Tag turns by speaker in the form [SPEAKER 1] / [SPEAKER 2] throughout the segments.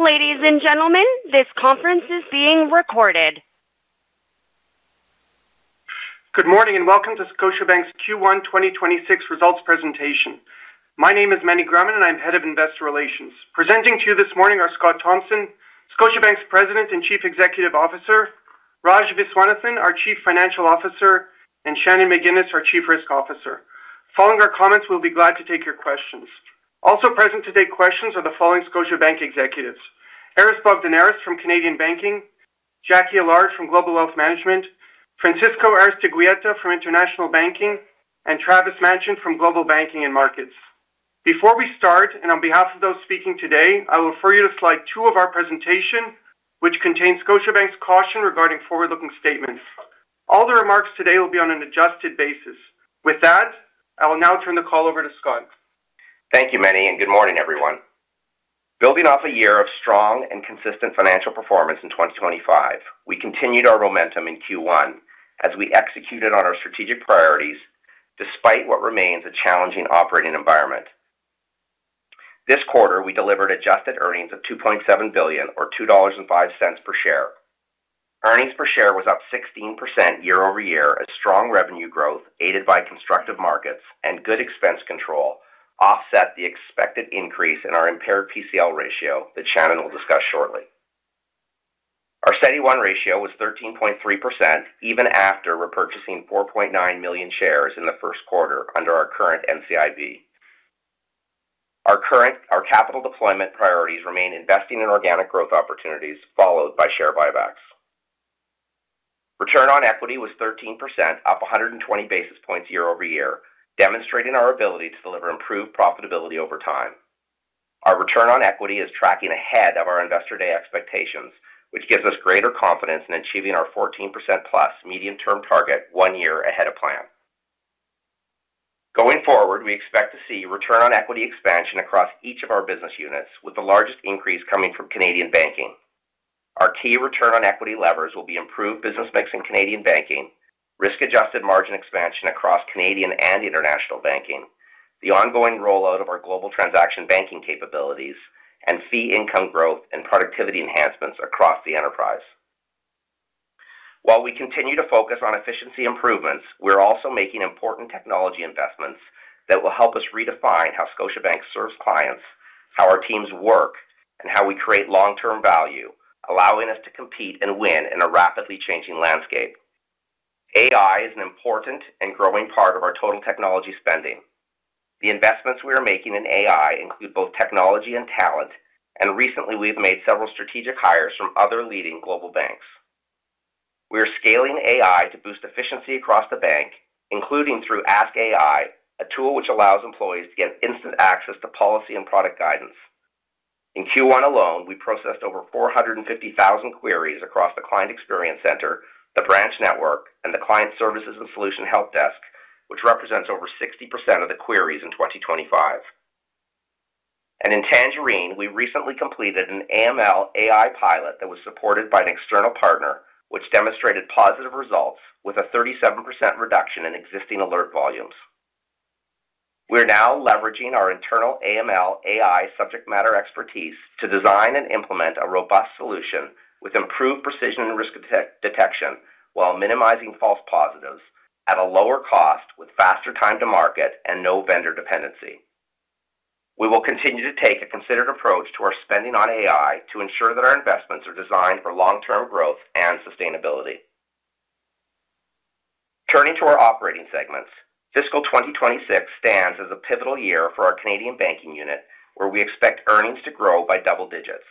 [SPEAKER 1] Ladies and gentlemen, this conference is being recorded.
[SPEAKER 2] Good morning, welcome to Scotiabank's Q1 2026 results presentation. My name is Meny Grauman, and I'm Head of Investor Relations. Presenting to you this morning are Scott Thomson, Scotiabank's President and Chief Executive Officer, Rajagopal Viswanathan, our Chief Financial Officer, and Shannon McGinnis, our Chief Risk Officer. Following our comments, we'll be glad to take your questions. Also present to take questions are the following Scotiabank executives: Aris Bogdaneris from Canadian Banking, Jacqui Allard from Global Wealth Management, Francisco Aristeguieta from International Banking, and Travis Machen from Global Banking and Markets. Before we start, and on behalf of those speaking today, I will refer you to slide two of our presentation, which contains Scotiabank's caution regarding forward-looking statements. All the remarks today will be on an adjusted basis. With that, I will now turn the call over to Scott.
[SPEAKER 3] Thank you, Meny, good morning, everyone. Building off a year of strong and consistent financial performance in 2025, we continued our momentum in Q1 as we executed on our strategic priorities, despite what remains a challenging operating environment. This quarter, we delivered adjusted earnings of 2.7 billion or 2.05 dollars per share. Earnings per share was up 16% year-over-year, as strong revenue growth, aided by constructive markets and good expense control, offset the expected increase in our impaired PCL ratio that Shannon will discuss shortly. Our CET1 ratio was 13.3%, even after repurchasing 4.9 million shares in the first quarter under our current NCIB. Our capital deployment priorities remain investing in organic growth opportunities, followed by share buybacks. Return on equity was 13%, up 120 basis points year-over-year, demonstrating our ability to deliver improved profitability over time. Our return on equity is tracking ahead of our Investor Day expectations, which gives us greater confidence in achieving our 14%+ medium-term target one year ahead of plan. Going forward, we expect to see return on equity expansion across each of our business units, with the largest increase coming from Canadian Banking. Our key return on equity levers will be improved business mix in Canadian Banking, risk-adjusted margin expansion across Canadian and International Banking, the ongoing rollout of our global transaction banking capabilities, and fee income growth and productivity enhancements across the enterprise. While we continue to focus on efficiency improvements, we're also making important technology investments that will help us redefine how Scotiabank serves clients, how our teams work, and how we create long-term value, allowing us to compete and win in a rapidly changing landscape. AI is an important and growing part of our total technology spending. The investments we are making in AI include both technology and talent. Recently, we've made several strategic hires from other leading global banks. We are scaling AI to boost efficiency across the bank, including through Ask AI, a tool which allows employees to get instant access to policy and product guidance. In Q1 alone, we processed over 450,000 queries across the Client Experience Center, the branch network, and the Client Services and Solution Help Desk, which represents over 60% of the queries in 2025. In Tangerine, we recently completed an AML AI pilot that was supported by an external partner, which demonstrated positive results with a 37% reduction in existing alert volumes. We are now leveraging our internal AML AI subject matter expertise to design and implement a robust solution with improved precision and risk detection, while minimizing false positives at a lower cost, with faster time to market and no vendor dependency. We will continue to take a considered approach to our spending on AI to ensure that our investments are designed for long-term growth and sustainability. Turning to our operating segments, fiscal 2026 stands as a pivotal year for our Canadian Banking unit, where we expect earnings to grow by double digits.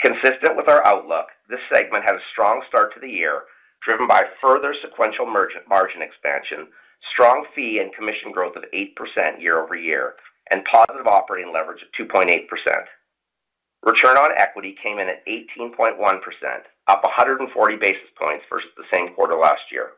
[SPEAKER 3] Consistent with our outlook, this segment had a strong start to the year, driven by further sequential margin expansion, strong fee and commission growth of 8% year-over-year, and positive operating leverage of 2.8%. Return on equity came in at 18.1%, up 140 basis points versus the same quarter last year.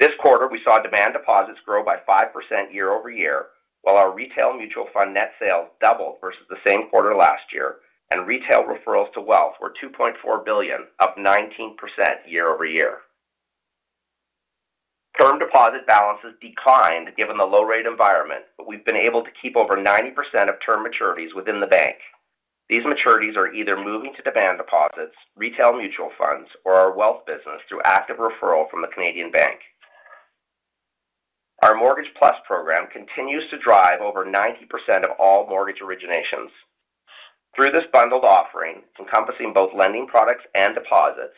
[SPEAKER 3] This quarter, we saw demand deposits grow by 5% year-over-year, while our retail mutual fund net sales doubled versus the same quarter last year, and retail referrals to wealth were 2.4 billion, up 19% year-over-year. Term deposit balances declined given the low-rate environment, but we've been able to keep over 90% of term maturities within the bank. These maturities are either moving to demand deposits, retail mutual funds, or our wealth business through active referral from the Canadian Banking. Our Scotia Mortgage+ Program continues to drive over 90% of all mortgage originations. Through this bundled offering, encompassing both lending products and deposits,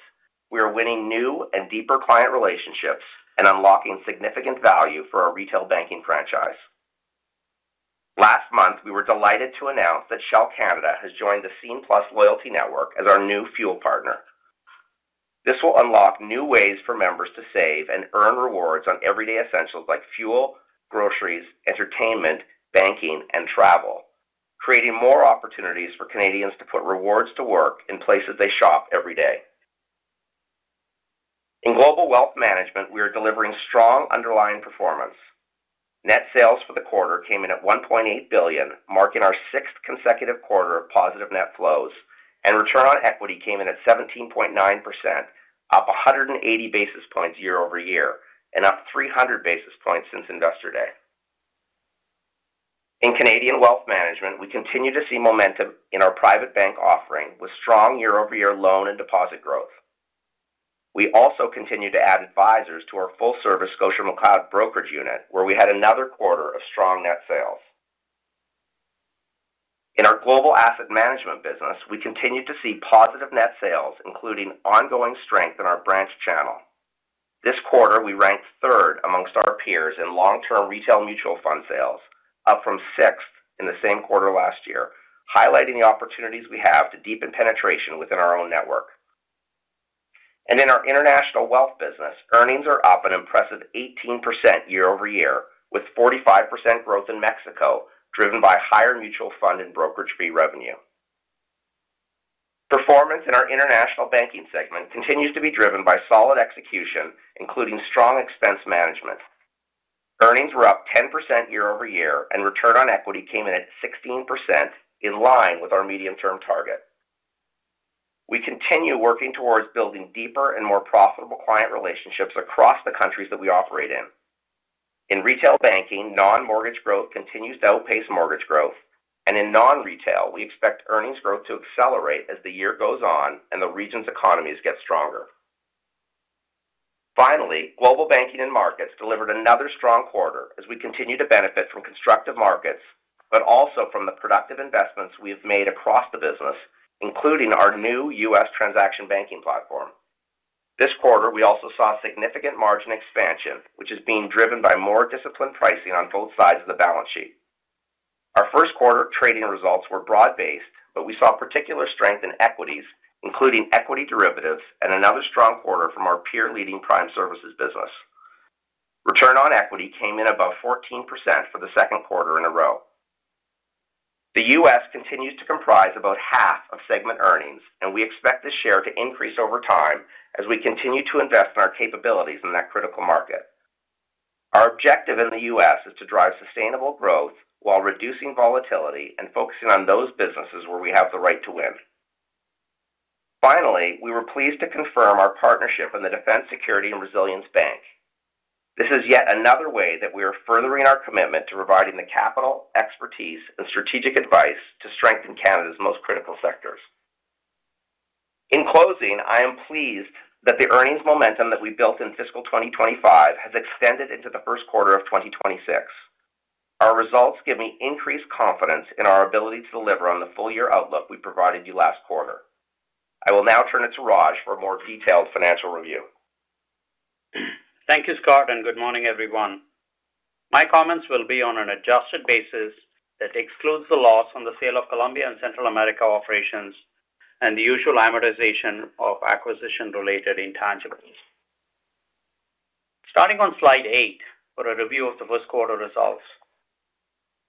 [SPEAKER 3] we are winning new and deeper client relationships and unlocking significant value for our retail banking franchise. Last month, we were delighted to announce that Shell Canada has joined the Scene+ Loyalty Network as our new fuel partner. This will unlock new ways for members to save and earn rewards on everyday essentials like fuel, groceries, entertainment, banking, and travel, creating more opportunities for Canadians to put rewards to work in places they shop every day. In Global Wealth Management, we are delivering strong underlying performance. Net sales for the quarter came in at 1.8 billion, marking our sixth consecutive quarter of positive net flows. Return on equity came in at 17.9%, up 180 basis points year-over-year and up 300 basis points since Investor Day. In Canadian wealth management, we continue to see momentum in our private bank offering, with strong year-over-year loan and deposit growth. We also continue to add advisors to our full-service ScotiaMcLeod brokerage unit, where we had another quarter of strong net sales. In our global asset management business, we continued to see positive net sales, including ongoing strength in our branch channel. This quarter, we ranked third amongst our peers in long-term retail mutual fund sales, up from sixth in the same quarter last year, highlighting the opportunities we have to deepen penetration within our own network. In our international wealth business, earnings are up an impressive 18% year-over-year, with 45% growth in Mexico, driven by higher mutual fund and brokerage fee revenue. Performance in our International Banking segment continues to be driven by solid execution, including strong expense management. Earnings were up 10% year-over-year, and return on equity came in at 16%, in line with our medium-term target. We continue working towards building deeper and more profitable client relationships across the countries that we operate in. In retail banking, non-mortgage growth continues to outpace mortgage growth, and in non-retail, we expect earnings growth to accelerate as the year goes on and the region's economies get stronger. Finally, Global Banking and Markets delivered another strong quarter as we continue to benefit from constructive markets, but also from the productive investments we have made across the business, including our new U.S. transaction banking platform. This quarter, we also saw significant margin expansion, which is being driven by more disciplined pricing on both sides of the balance sheet. Our first quarter trading results were broad-based, but we saw particular strength in equities, including equity derivatives and another strong quarter from our peer-leading Prime Services business. Return on equity came in above 14% for the second quarter in a row. The U.S. continues to comprise about half of segment earnings, and we expect this share to increase over time as we continue to invest in our capabilities in that critical market. Our objective in the U.S. is to drive sustainable growth while reducing volatility and focusing on those businesses where we have the right to win. We were pleased to confirm our partnership in the Defense, Security and Resilience Bank. This is yet another way that we are furthering our commitment to providing the capital, expertise, and strategic advice to strengthen Canada's most critical sectors. In closing, I am pleased that the earnings momentum that we built in fiscal 2025 has extended into the first quarter of 2026. Our results give me increased confidence in our ability to deliver on the full year outlook we provided you last quarter. I will now turn it to Raj for a more detailed financial review.
[SPEAKER 4] Thank you, Scott, and good morning, everyone. My comments will be on an adjusted basis that excludes the loss on the sale of Colombia and Central America operations and the usual amortization of acquisition-related intangibles. Starting on slide eight, for a review of the first quarter results.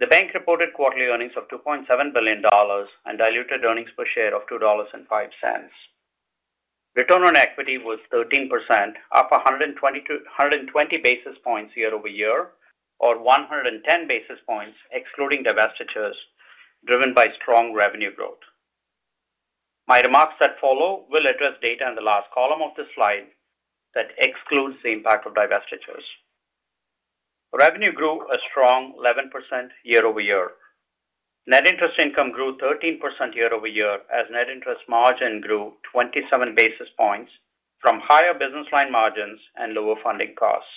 [SPEAKER 4] The bank reported quarterly earnings of 2.7 billion dollars and diluted earnings per share of 2.05 dollars. Return on equity was 13%, up 120 basis points year-over-year, or 110 basis points, excluding divestitures, driven by strong revenue growth. My remarks that follow will address data in the last column of this slide that excludes the impact of divestitures. Revenue grew a strong 11% year-over-year. Net interest income grew 13% year-over-year, as net interest margin grew 27 basis points from higher business line margins and lower funding costs.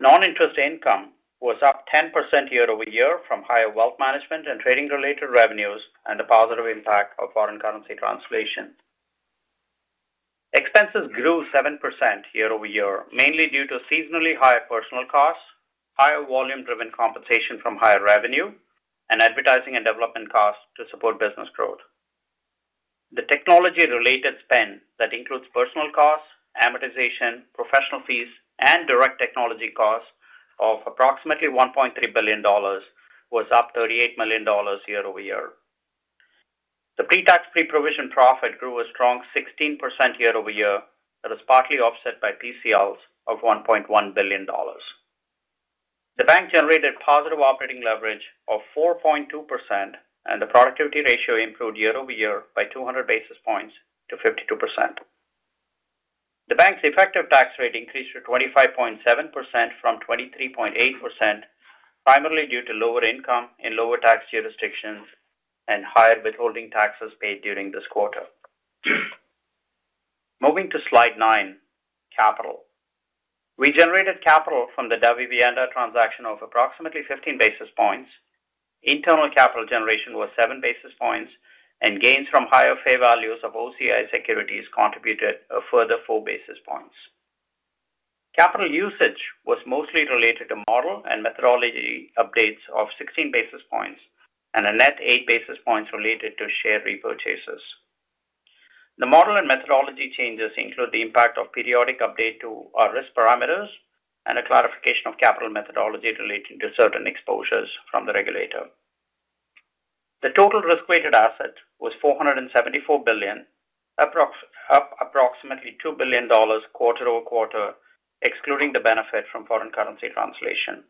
[SPEAKER 4] Non-interest income was up 10% year-over-year from higher wealth management and trading-related revenues and the positive impact of foreign currency translation. Expenses grew 7% year-over-year, mainly due to seasonally higher personal costs, higher volume-driven compensation from higher revenue, and advertising and development costs to support business growth. The technology-related spend that includes personal costs, amortization, professional fees, and direct technology costs of approximately 1.3 billion dollars, was up 38 million dollars year-over-year. The pre-tax, pre-provision profit grew a strong 16% year-over-year, that was partly offset by PCLs of 1.1 billion dollars. The bank generated positive operating leverage of 4.2%. The productivity ratio improved year-over-year by 200 basis points to 52%. The bank's effective tax rate increased to 25.7% from 23.8%, primarily due to lower income and lower tax jurisdictions and higher withholding taxes paid during this quarter. Moving to slide 9, capital. We generated capital from the Davivienda transaction of approximately 15 basis points. Internal capital generation was seven basis points, and gains from higher fair values of OCI securities contributed a further four basis points. Capital usage was mostly related to model and methodology updates of 16 basis points and a net 8 basis points related to share repurchases. The model and methodology changes include the impact of periodic update to our risk parameters and a clarification of capital methodology relating to certain exposures from the regulator. The total risk-weighted asset was CAD 474 billion, up approximately CAD 2 billion quarter-over-quarter, excluding the benefit from foreign currency translation.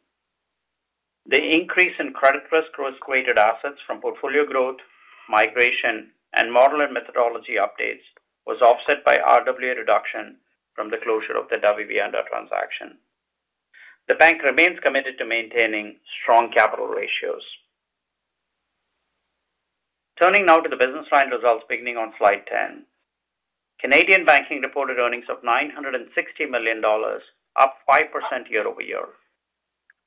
[SPEAKER 4] The increase in credit risk-weighted assets from portfolio growth, migration, and model and methodology updates was offset by RWA reduction from the closure of the WB transaction. The bank remains committed to maintaining strong capital ratios. Turning now to the business line results beginning on slide 10. Canadian Banking reported earnings of 960 million dollars, up 5% year-over-year.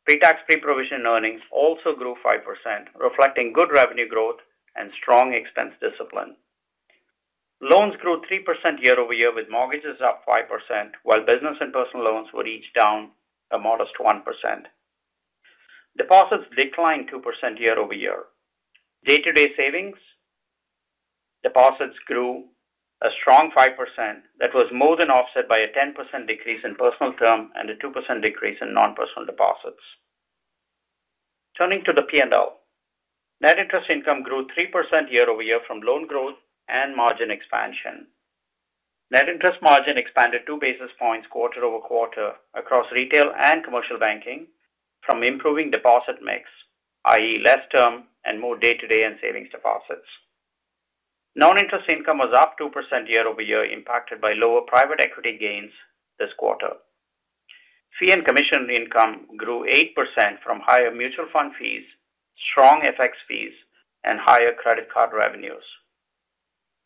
[SPEAKER 4] Pre-tax, pre-provision earnings also grew 5%, reflecting good revenue growth and strong expense discipline. Loans grew 3% year-over-year, with mortgages up 5%, while business and personal loans were each down a modest 1%. Deposits declined 2% year-over-year. Day-to-day savings, deposits grew a strong 5% that was more than offset by a 10% decrease in personal term and a 2% decrease in non-personal deposits. Turning to the P&L. Net interest income grew 3% year-over-year from loan growth and margin expansion. Net interest margin expanded two basis points quarter-over-quarter across retail and commercial banking from improving deposit mix, i.e., less term and more day-to-day and savings deposits. Non-interest income was up 2% year-over-year, impacted by lower private equity gains this quarter. Fee and commission income grew 8% from higher mutual fund fees, strong FX fees, and higher credit card revenues.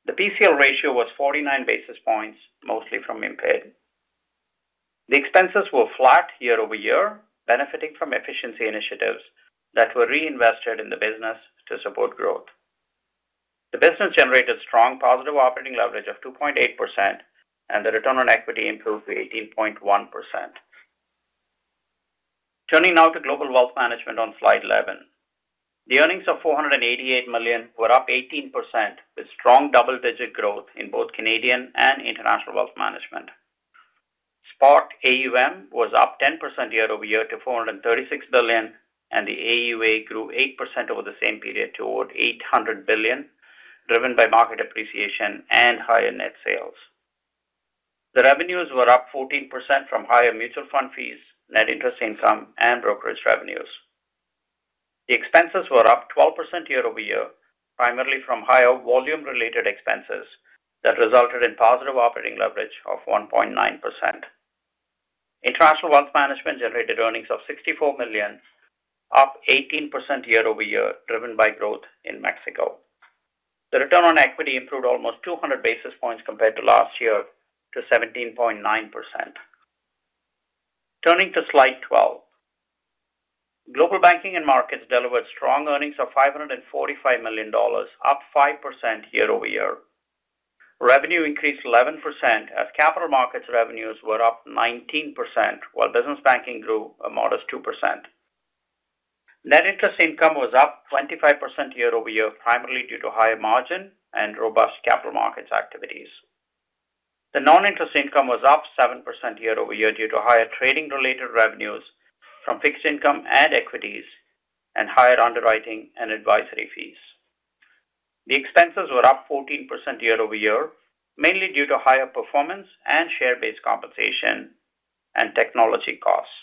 [SPEAKER 4] The PCL ratio was 49 basis points, mostly from impaired. The expenses were flat year-over-year, benefiting from efficiency initiatives that were reinvested in the business to support growth. The business generated strong positive operating leverage of 2.8%. The return on equity improved to 18.1%. Turning now to Global Wealth Management on slide 11. The earnings of 488 million were up 18%, with strong double-digit growth in both Canadian and International wealth management. Spot AUM was up 10% year-over-year to 436 billion. The AUA grew 8% over the same period to over 800 billion, driven by market appreciation and higher net sales. The revenues were up 14% from higher mutual fund fees, net interest income, and brokerage revenues. The expenses were up 12% year-over-year, primarily from higher volume-related expenses that resulted in positive operating leverage of 1.9%. International Wealth Management generated earnings of 64 million, up 18% year-over-year, driven by growth in Mexico. The return on equity improved almost 200 basis points compared to last year to 17.9%. Turning to slide 12. Global Banking and Markets delivered strong earnings of 545 million dollars, up 5% year-over-year. Revenue increased 11% as capital markets revenues were up 19%, while business banking grew a modest 2%. Net interest income was up 25% year-over-year, primarily due to higher margin and robust capital markets activities. The non-interest income was up 7% year-over-year due to higher trading-related revenues from fixed income and equities, and higher underwriting and advisory fees. The expenses were up 14% year-over-year, mainly due to higher performance and share-based compensation and technology costs.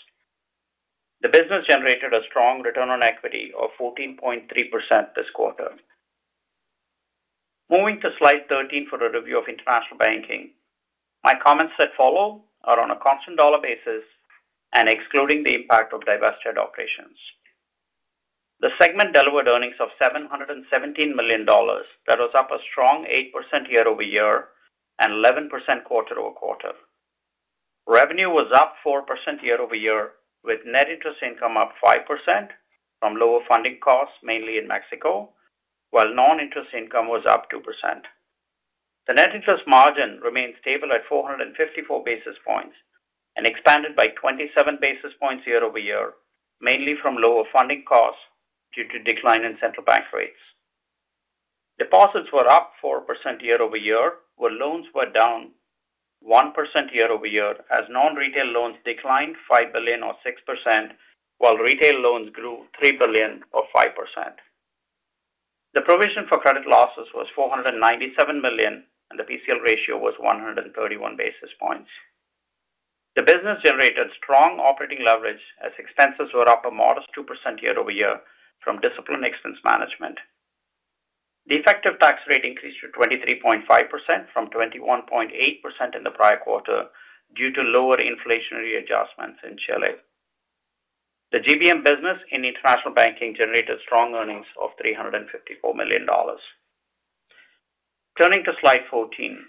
[SPEAKER 4] The business generated a strong return on equity of 14.3% this quarter. Moving to slide 13 for a review of International Banking. My comments that follow are on a constant dollar basis and excluding the impact of divested operations. The segment delivered earnings of 717 million dollars. That was up a strong 8% year-over-year and 11% quarter-over-quarter. Revenue was up 4% year-over-year, with net interest income up 5% from lower funding costs, mainly in Mexico, while non-interest income was up 2%. The net interest margin remained stable at 454 basis points and expanded by 27 basis points year-over-year, mainly from lower funding costs due to decline in central bank rates. Deposits were up 4% year-over-year, while loans were down 1% year-over-year, as non-retail loans declined 5 billion or 6%, while retail loans grew 3 billion or 5%. The provision for credit losses was 497 million, and the PCL ratio was 131 basis points. The business generated strong operating leverage as expenses were up a modest 2% year-over-year from disciplined expense management. The effective tax rate increased to 23.5% from 21.8% in the prior quarter due to lower inflationary adjustments in Chile. The GBM business in International Banking generated strong earnings of 354 million dollars. Turning to slide 14.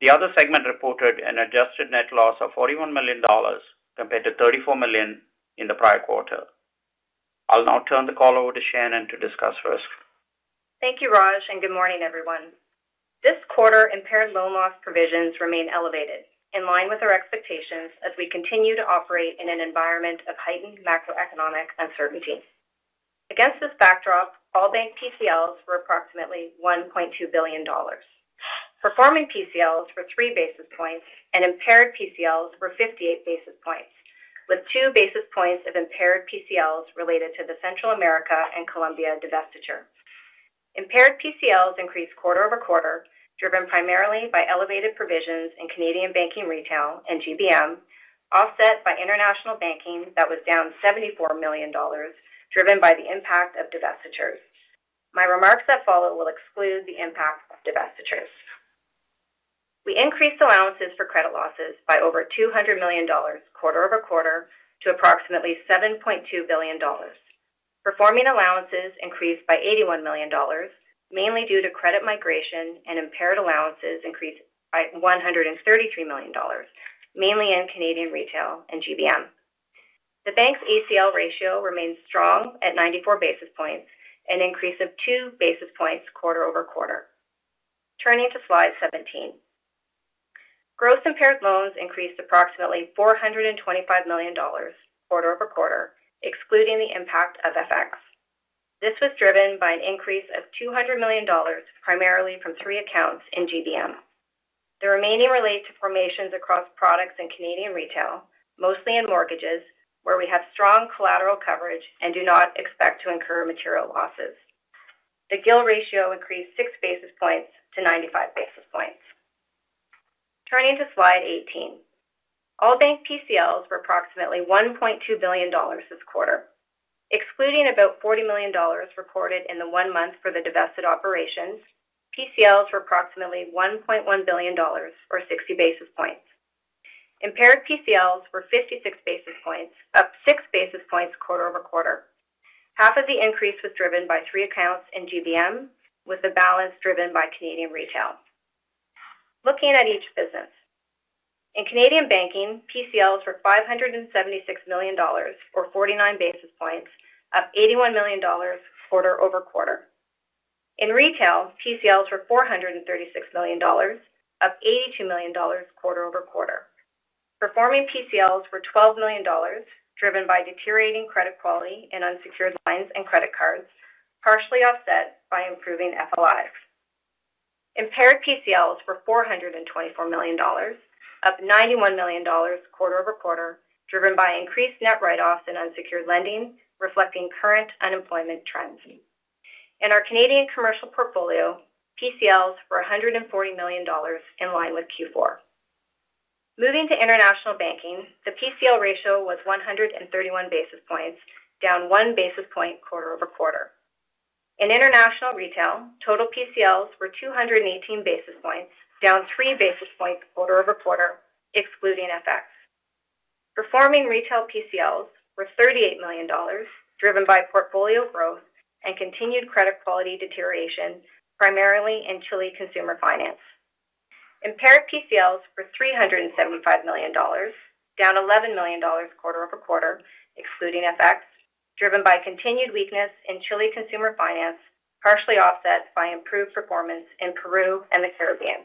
[SPEAKER 4] The other segment reported an adjusted net loss of 41 million dollars compared to 34 million in the prior quarter. I'll now turn the call over to Shannon to discuss risk.
[SPEAKER 5] Thank you, Raj. Good morning, everyone. This quarter, impaired loan loss provisions remain elevated, in line with our expectations as we continue to operate in an environment of heightened macroeconomic uncertainty. Against this backdrop, all bank PCLs were approximately 1.2 billion dollars. Performing PCLs were three basis points, and impaired PCLs were 58 basis points, with two basis points of impaired PCLs related to the Central America and Colombia divestiture. Impaired PCLs increased quarter-over-quarter, driven primarily by elevated provisions in Canadian Banking, retail, and GBM, offset by International Banking that was down 74 million dollars, driven by the impact of divestitures. My remarks that follow will exclude the impact of divestitures. We increased allowances for credit losses by over 200 million dollars quarter-over-quarter to approximately 7.2 billion dollars. Performing allowances increased by 81 million dollars, mainly due to credit migration and impaired allowances increased by 133 million dollars, mainly in Canadian retail and GBM. The bank's ACL ratio remains strong at 94 basis points, an increase of 2 basis points quarter-over-quarter. Turning to slide 17. Gross impaired loans increased approximately 425 million dollars quarter-over-quarter, excluding the impact of FX. This was driven by an increase of 200 million dollars, primarily from 3 accounts in GBM. The remaining relate to formations across products in Canadian retail, mostly in mortgages, where we have strong collateral coverage and do not expect to incur material losses. The GIL ratio increased 6 basis points to 95 basis points. Turning to slide 18. All bank PCLs were approximately 1.2 billion dollars this quarter, excluding about 40 million dollars recorded in the one month for the divested operations. PCLs were approximately 1.1 billion dollars or 60 basis points. Impaired PCLs were 56 basis points, up 6 basis points quarter-over-quarter. Half of the increase was driven by 3 accounts in GBM, with the balance driven by Canadian retail. Looking at each business. In Canadian Banking, PCLs were 576 million dollars or 49 basis points, up 81 million dollars quarter-over-quarter. In retail, PCLs were 436 million dollars, up 82 million dollars quarter-over-quarter. Performing PCLs were 12 million dollars, driven by deteriorating credit quality in unsecured lines and credit cards, partially offset by improving FLIs. Impaired PCLs were 424 million dollars, up 91 million dollars quarter-over-quarter, driven by increased net write-offs in unsecured lending, reflecting current unemployment trends. In our Canadian commercial portfolio, PCLs were 140 million dollars in line with Q4. Moving to International Banking, the PCL ratio was 131 basis points, down one basis point quarter-over-quarter. In international retail, total PCLs were 218 basis points, down three basis points quarter-over-quarter, excluding FX. Performing retail PCLs were 38 million dollars, driven by portfolio growth and continued credit quality deterioration, primarily in Chile consumer finance. Impaired PCLs were 375 million dollars, down 11 million dollars quarter-over-quarter, excluding FX, driven by continued weakness in Chile consumer finance, partially offset by improved performance in Peru and the Caribbean.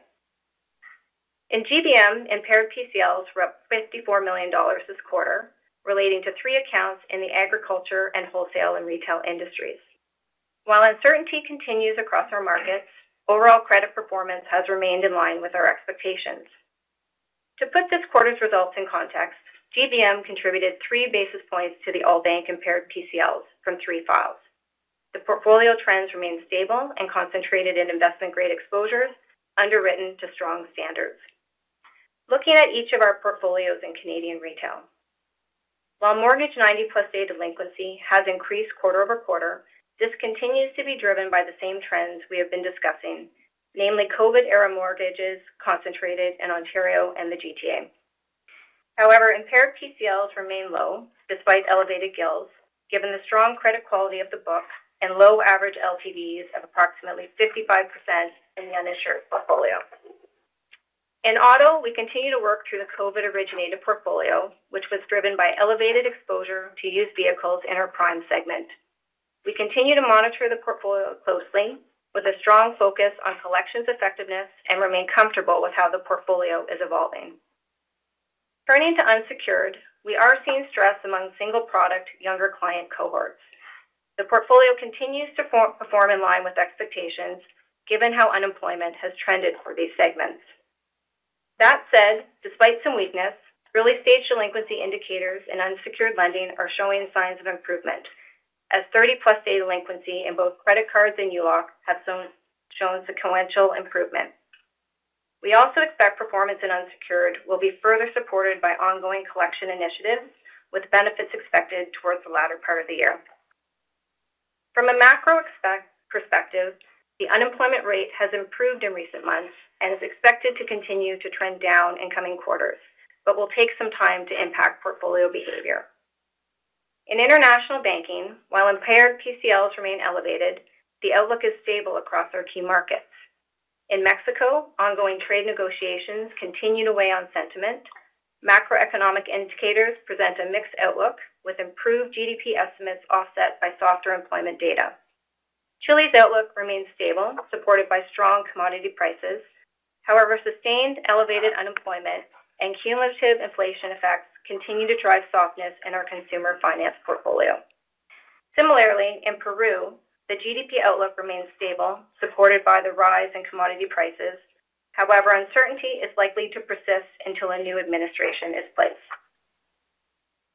[SPEAKER 5] In GBM, impaired PCLs were up 54 million dollars this quarter, relating to three accounts in the agriculture and wholesale and retail industries. While uncertainty continues across our markets, overall credit performance has remained in line with our expectations. To put this quarter's results in context, GBM contributed three basis points to the all bank impaired PCLs from three files. The portfolio trends remain stable and concentrated in investment-grade exposures underwritten to strong standards. Looking at each of our portfolios in Canadian retail. While mortgage 90-plus day delinquency has increased quarter-over-quarter, this continues to be driven by the same trends we have been discussing, namely COVID era mortgages concentrated in Ontario and the GTA. However, impaired PCLs remain low despite elevated GILs, given the strong credit quality of the book and low average LTVs of approximately 55% in the uninsured portfolio. In auto, we continue to work through the COVID-originated portfolio, which was driven by elevated exposure to used vehicles in our prime segment. We continue to monitor the portfolio closely with a strong focus on collections effectiveness and remain comfortable with how the portfolio is evolving. Turning to unsecured, we are seeing stress among single product, younger client cohorts. The portfolio continues to perform in line with expectations, given how unemployment has trended for these segments. That said, despite some weakness, early stage delinquency indicators in unsecured lending are showing signs of improvement, as 30-plus day delinquency in both credit cards and ULOC have shown sequential improvement. We also expect performance in unsecured will be further supported by ongoing collection initiatives, with benefits expected towards the latter part of the year. From a macro perspective, the unemployment rate has improved in recent months and is expected to continue to trend down in coming quarters. Will take some time to impact portfolio behavior. In International Banking, while impaired PCLs remain elevated, the outlook is stable across our key markets. In Mexico, ongoing trade negotiations continue to weigh on sentiment. Macroeconomic indicators present a mixed outlook, with improved GDP estimates offset by softer employment data. Chile's outlook remains stable, supported by strong commodity prices. Sustained elevated unemployment and cumulative inflation effects continue to drive softness in our consumer finance portfolio. In Peru, the GDP outlook remains stable, supported by the rise of commodity prices. Uncertainty is likely to persist until a new administration is placed.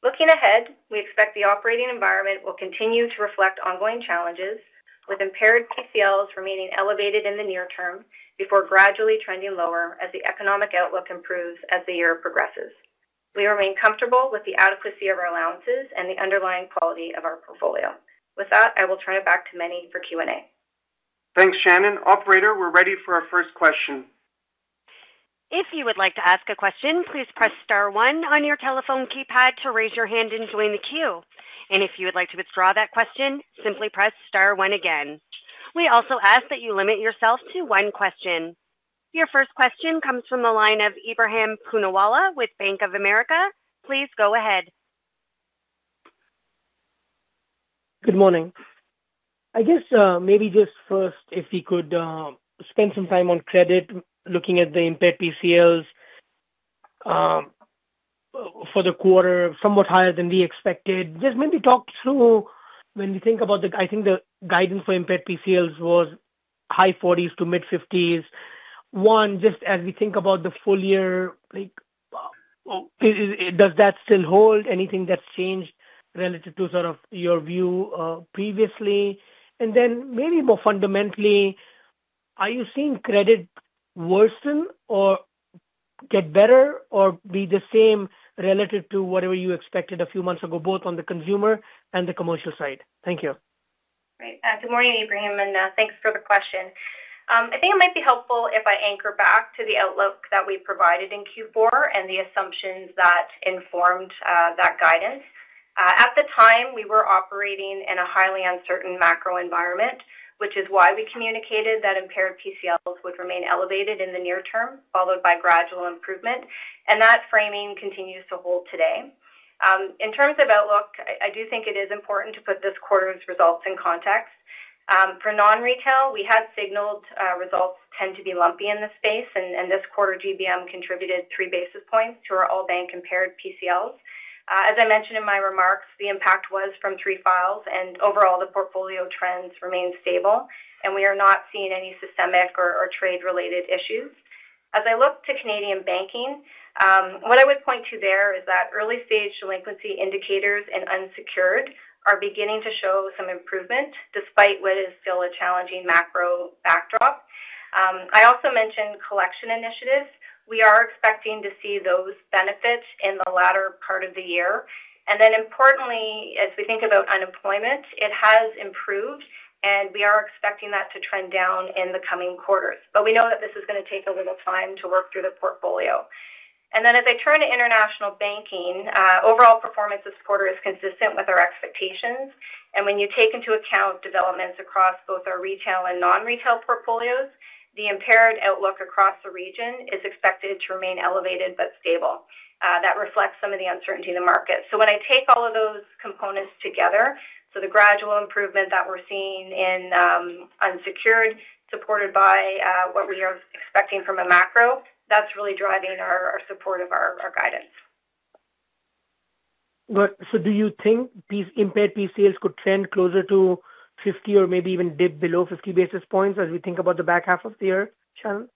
[SPEAKER 5] Looking ahead, we expect the operating environment will continue to reflect ongoing challenges, with impaired PCLs remaining elevated in the near term before gradually trending lower as the economic outlook improves as the year progresses. We remain comfortable with the adequacy of our allowances and the underlying quality of our portfolio. With that, I will turn it back to Meny for Q&A.
[SPEAKER 2] Thanks, Shannon. Operator, we're ready for our first question.
[SPEAKER 1] If you would like to ask a question, please press star one on your telephone keypad to raise your hand and join the queue. If you would like to withdraw that question, simply press star one again. We also ask that you limit yourself to one question. Your first question comes from the line of Ebrahim Poonawala with Bank of America. Please go ahead.
[SPEAKER 6] Good morning. I guess, maybe just first, if we could spend some time on credit, looking at the impaired PCLs for the quarter, somewhat higher than we expected. Just maybe talk through when we think about the guidance for impaired PCLs was high 40s to mid-50s. One, just as we think about the full year, like, does that still hold? Anything that's changed relative to sort of your view previously? Maybe more fundamentally, are you seeing credit worsen or get better or be the same relative to whatever you expected a few months ago, both on the consumer and the commercial side? Thank you.
[SPEAKER 5] Great. Good morning, Ebrahim, and thanks for the question. I think it might be helpful if I anchor back to the outlook that we provided in Q4 and the assumptions that informed that guidance. At the time, we were operating in a highly uncertain macro environment, which is why we communicated that impaired PCLs would remain elevated in the near term, followed by gradual improvement, and that framing continues to hold today. In terms of outlook, I do think it is important to put this quarter's results in context. For non-retail, we had signaled results tend to be lumpy in the space, and this quarter, GBM contributed three basis points to our all-bank compared PCLs. As I mentioned in my remarks, the impact was from three files, and overall, the portfolio trends remain stable, and we are not seeing any systemic or trade-related issues. As I look to Canadian Banking, what I would point to there is that early-stage delinquency indicators and unsecured are beginning to show some improvement, despite what is still a challenging macro backdrop. I also mentioned collection initiatives. We are expecting to see those benefits in the latter part of the year. Importantly, as we think about unemployment, it has improved, and we are expecting that to trend down in the coming quarters. We know that this is going to take a little time to work through the portfolio. As I turn to International Banking, overall performance this quarter is consistent with our expectations. When you take into account developments across both our retail and non-retail portfolios, the impaired outlook across the region is expected to remain elevated but stable. That reflects some of the uncertainty in the market. When I take all of those components together, so the gradual improvement that we're seeing in unsecured, supported by what we are expecting from a macro, that's really driving our support of our guidance.
[SPEAKER 6] Do you think these impaired PCLs could trend closer to 50 or maybe even dip below 50 basis points as we think about the back half of the year, Shannon?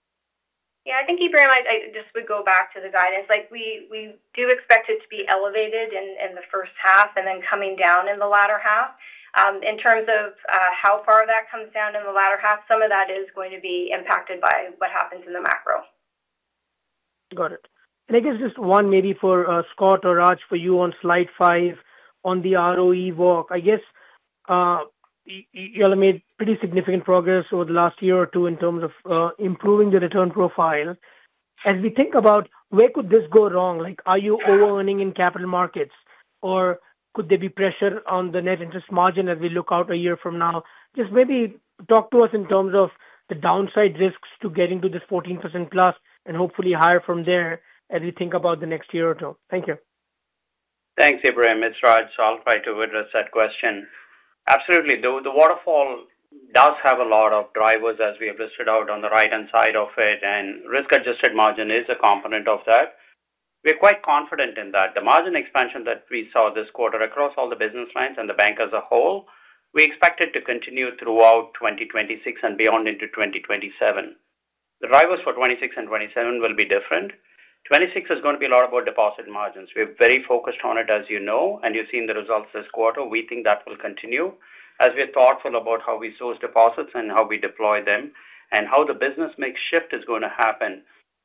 [SPEAKER 5] Yeah, I think, Ebrahim, I just would go back to the guidance. Like, we do expect it to be elevated in the first half and then coming down in the latter half. In terms of how far that comes down in the latter half, some of that is going to be impacted by what happens in the macro.
[SPEAKER 6] Got it. I guess just one maybe for Scott or Raj, for you on slide five on the ROE walk. I guess, y'all have made pretty significant progress over the last year or two in terms of improving the return profile. As we think about where could this go wrong, like, are you overearning in capital markets, or could there be pressure on the net interest margin as we look out a year from now? Just maybe talk to us in terms of the downside risks to getting to this 14%+ and hopefully higher from there as we think about the next year or two. Thank you.
[SPEAKER 4] Thanks, Ebrahim. It's Raj. I'll try to address that question. Absolutely. The waterfall does have a lot of drivers, as we have listed out on the right-hand side of it, and risk-adjusted margin is a component of that. We're quite confident in that. The margin expansion that we saw this quarter across all the business lines and the bank as a whole, we expect it to continue throughout 2026 and beyond into 2027. The drivers for 2026 and 2027 will be different. 2026 is going to be a lot about deposit margins. We're very focused on it, as you know, and you've seen the results this quarter. We think that will continue as we are thoughtful about how we source deposits and how we deploy them and how the business mix shift is going to happen,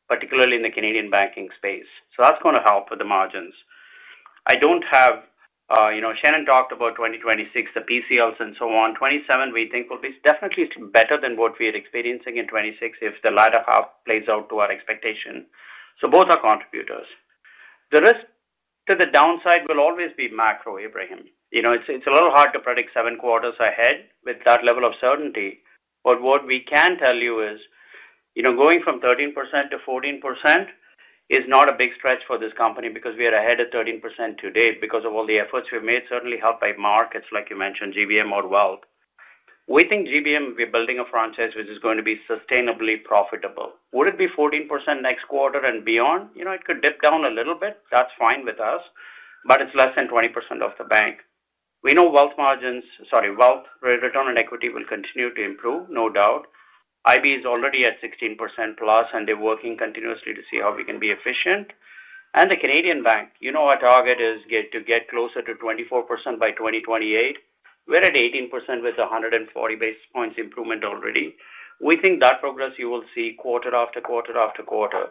[SPEAKER 4] particularly in the Canadian Banking space. That's going to help with the margins. I don't have, you know, Shannon talked about 2026, the PCLs and so on. 2027, we think, will be definitely better than what we are experiencing in 2026 if the latter half plays out to our expectation. Both are contributors. The risk to the downside will always be macro, Ibrahim. You know, it's a little hard to predict seven quarters ahead with that level of certainty. What we can tell you is, you know, going from 13% to 14% is not a big stretch for this company because we are ahead of 13% today because of all the efforts we've made, certainly helped by markets, like you mentioned, GBM or wealth. We think GBM, we're building a franchise which is going to be sustainably profitable. Would it be 14% next quarter and beyond? You know, it could dip down a little bit. That's fine with us, but it's less than 20% of the bank.... We know wealth margins, sorry, wealth return on equity will continue to improve, no doubt. IB is already at 16% plus, they're working continuously to see how we can be efficient. The Canadian Bank, you know, our target is to get closer to 24% by 2028. We're at 18% with 140 basis points improvement already. We think that progress you will see quarter after quarter after quarter,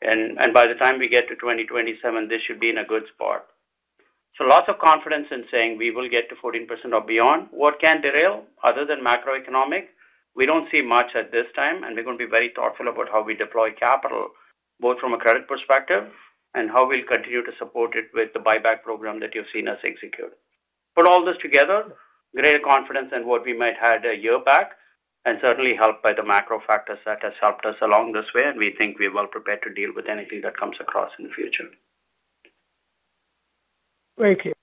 [SPEAKER 4] by the time we get to 2027, this should be in a good spot. Lots of confidence in saying we will get to 14% or beyond. What can derail other than macroeconomic?
[SPEAKER 7] We don't see much at this time, and we're going to be very thoughtful about how we deploy capital, both from a credit perspective and how we'll continue to support it with the buyback program that you've seen us execute. Put all this together, greater confidence than what we might had a year back, and certainly helped by the macro factors that has helped us along this way, and we think we're well prepared to deal with anything that comes across in the future.
[SPEAKER 2] Thank you.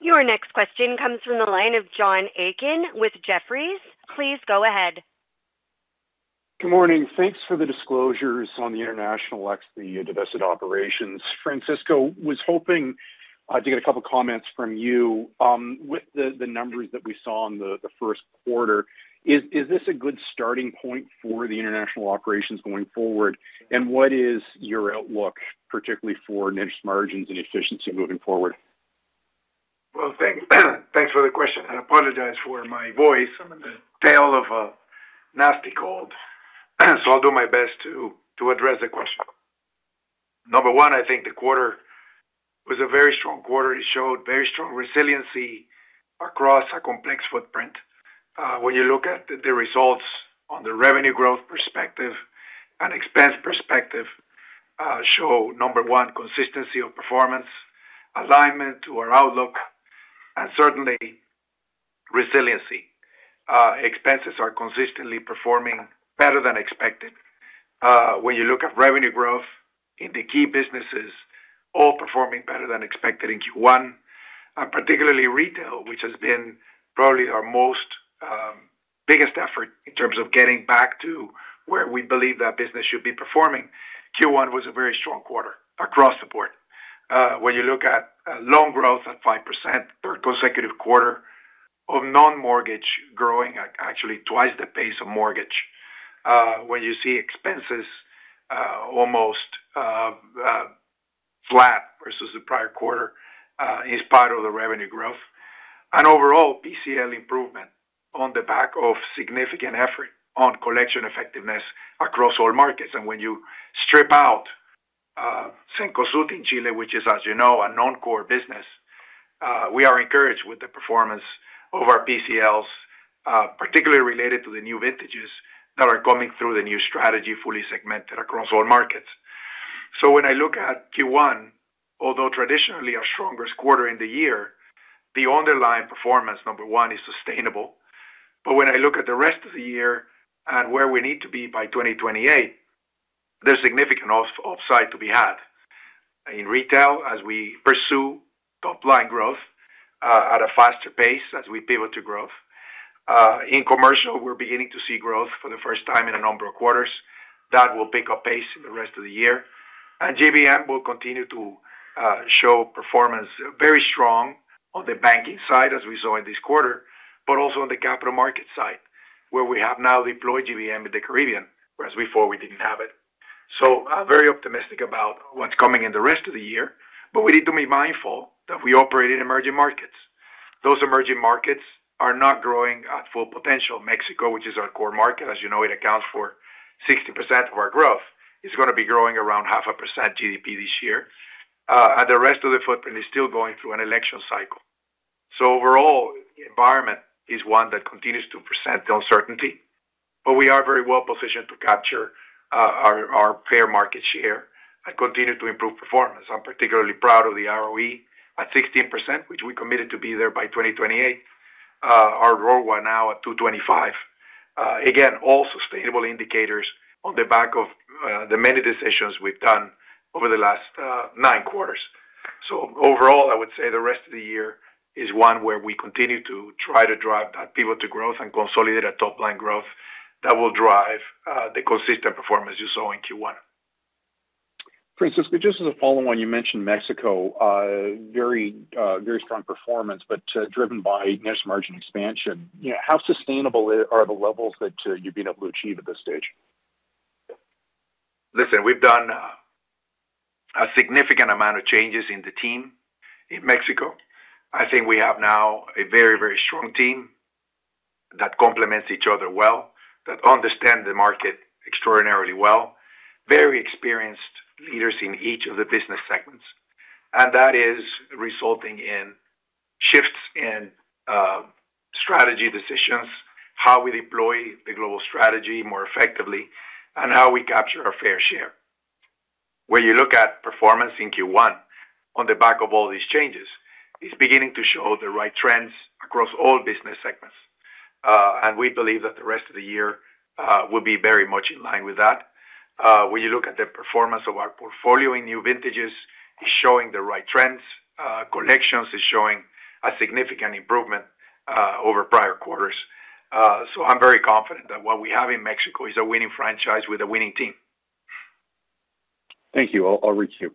[SPEAKER 1] Your next question comes from the line of John Aiken with Jefferies. Please go ahead.
[SPEAKER 8] Good morning. Thanks for the disclosures on the international, the divested operations. Francisco, was hoping to get a couple comments from you. With the numbers that we saw on the first quarter, is this a good starting point for the international operations going forward? What is your outlook, particularly for net margins and efficiency moving forward?
[SPEAKER 7] Well, thanks. Thanks for the question. I apologize for my voice. I'm in the tail of a nasty cold. I'll do my best to address the question. Number one, I think the quarter was a very strong quarter. It showed very strong resiliency across a complex footprint. When you look at the results on the revenue growth perspective and expense perspective, show, number one, consistency of performance, alignment to our outlook, and certainly resiliency. Expenses are consistently performing better than expected. When you look at revenue growth in the key businesses, all performing better than expected in Q1, and particularly retail, which has been probably our most biggest effort in terms of getting back to where we believe that business should be performing. Q1 was a very strong quarter across the board. When you look at loan growth at 5%, third consecutive quarter of non-mortgage growing at actually twice the pace of mortgage. When you see expenses almost flat versus the prior quarter, in spite of the revenue growth and overall PCL improvement on the back of significant effort on collection effectiveness across all markets. When you strip out Cencosud, Chile, which is, as you know, a non-core business, we are encouraged with the performance of our PCLs, particularly related to the new vintages that are coming through the new strategy, fully segmented across all markets. When I look at Q1, although traditionally our strongest quarter in the year, the underlying performance, number one, is sustainable. When I look at the rest of the year and where we need to be by 2028, there's significant upside to be had. In retail, as we pursue top line growth, at a faster pace, as we pivot to growth. In commercial, we're beginning to see growth for the first time in a number of quarters. That will pick up pace in the rest of the year. JVM will continue to show performance very strong on the banking side, as we saw in this quarter, but also on the capital market side, where we have now deployed JVM in the Caribbean, whereas before we didn't have it. I'm very optimistic about what's coming in the rest of the year, but we need to be mindful that we operate in emerging markets. Those emerging markets are not growing at full potential. Mexico, which is our core market, as you know, it accounts for 60% of our growth, is going to be growing around half a percent GDP this year. And the rest of the footprint is still going through an election cycle. Overall, the environment is one that continues to present uncertainty, but we are very well positioned to capture our fair market share and continue to improve performance. I'm particularly proud of the ROE at 16%, which we committed to be there by 2028. Our ROA now at 2.25%. Again, all sustainable indicators on the back of the many decisions we've done over the last nine quarters. Overall, I would say the rest of the year is one where we continue to try to drive that pivot to growth and consolidate a top-line growth that will drive the consistent performance you saw in Q1.
[SPEAKER 8] Francisco, just as a follow-on, you mentioned Mexico, very, very strong performance, but, driven by net margin expansion. How sustainable are the levels that you've been able to achieve at this stage?
[SPEAKER 7] Listen, we've done a significant amount of changes in the team in Mexico. I think we have now a very, very strong team that complements each other well, that understand the market extraordinarily well, very experienced leaders in each of the business segments. That is resulting in shifts in strategy decisions, how we deploy the global strategy more effectively, and how we capture our fair share. When you look at performance in Q1, on the back of all these changes, it's beginning to show the right trends across all business segments. We believe that the rest of the year will be very much in line with that. When you look at the performance of our portfolio in new vintages, it's showing the right trends. Collections is showing a significant improvement over prior quarters. I'm very confident that what we have in Mexico is a winning franchise with a winning team.
[SPEAKER 8] Thank you. I'll reach you.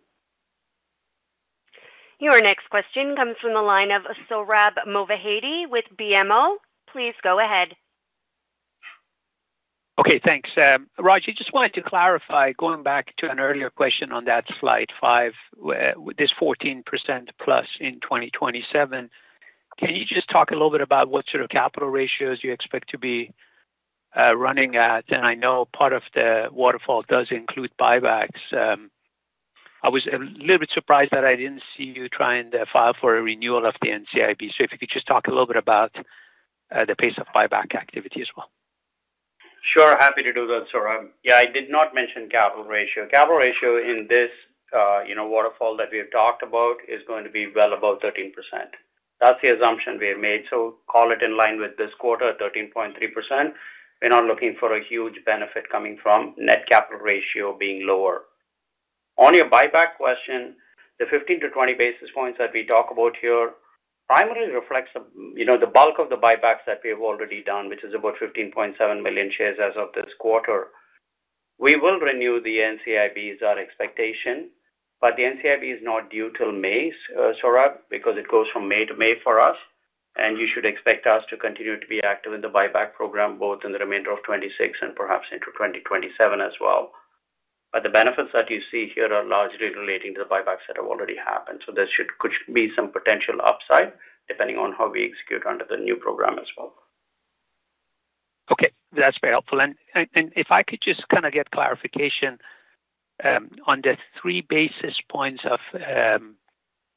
[SPEAKER 1] Your next question comes from the line of Sohrab Movahedi with BMO. Please go ahead.
[SPEAKER 9] Okay, thanks. Raj, I just wanted to clarify, going back to an earlier question on that slide five, where this 14% plus in 2027, can you just talk a little bit about what sort of capital ratios you expect to be running at? I know part of the waterfall does include buybacks. I was a little bit surprised that I didn't see you trying to file for a renewal of the NCIB. If you could just talk a little bit about the pace of buyback activity as well.
[SPEAKER 10] Sure. Happy to do that, Sohrab. Yeah, I did not mention capital ratio. Capital ratio in this, you know, waterfall that we have talked about is going to be well above 13%. That's the assumption we have made. Call it in line with this quarter, 13.3%. We're not looking for a huge benefit coming from net capital ratio being lower. On your buyback question, the 15-20 basis points that we talk about here primarily reflects the, you know, the bulk of the buybacks that we have already done, which is about 15.7 million shares as of this quarter. We will renew the NCIB is our expectation. The NCIB is not due till May, Sohrab, because it goes from May to May for us. You should expect us to continue to be active in the buyback program, both in the remainder of 2026 and perhaps into 2027 as well. The benefits that you see here are largely relating to the buybacks that have already happened. There should, could be some potential upside depending on how we execute under the new program as well.
[SPEAKER 9] Okay, that's very helpful. If I could just kind of get clarification on the three basis points of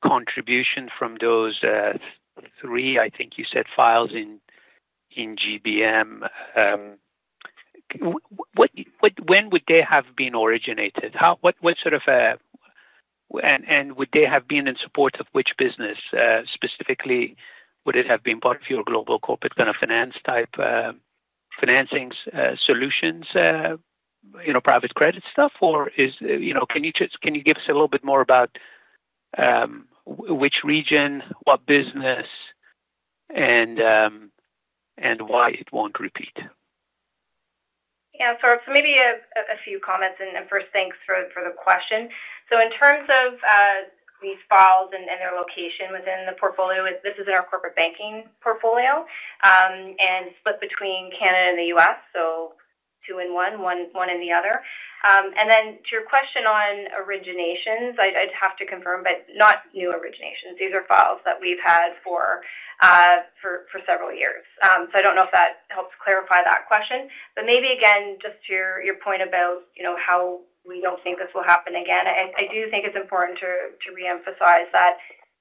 [SPEAKER 9] contribution from those three, I think you said files in GBM. When would they have been originated? How, what sort of? Would they have been in support of which business? Specifically, would it have been part of your global corporate kind of finance type financings, solutions, you know, private credit stuff? Is, you know, can you give us a little bit more about which region, what business, and why it won't repeat?
[SPEAKER 5] Yeah, maybe a few comments. First, thanks for the question. In terms of these files and their location within the portfolio, this is in our corporate banking portfolio, and split between Canada and the U.S., two in one in the other. Then to your question on originations, I'd have to confirm, but not new originations. These are files that we've had for several years. I don't know if that helps clarify that question. Maybe again, just to your point about, you know, how we don't think this will happen again, I do think it's important to reemphasize that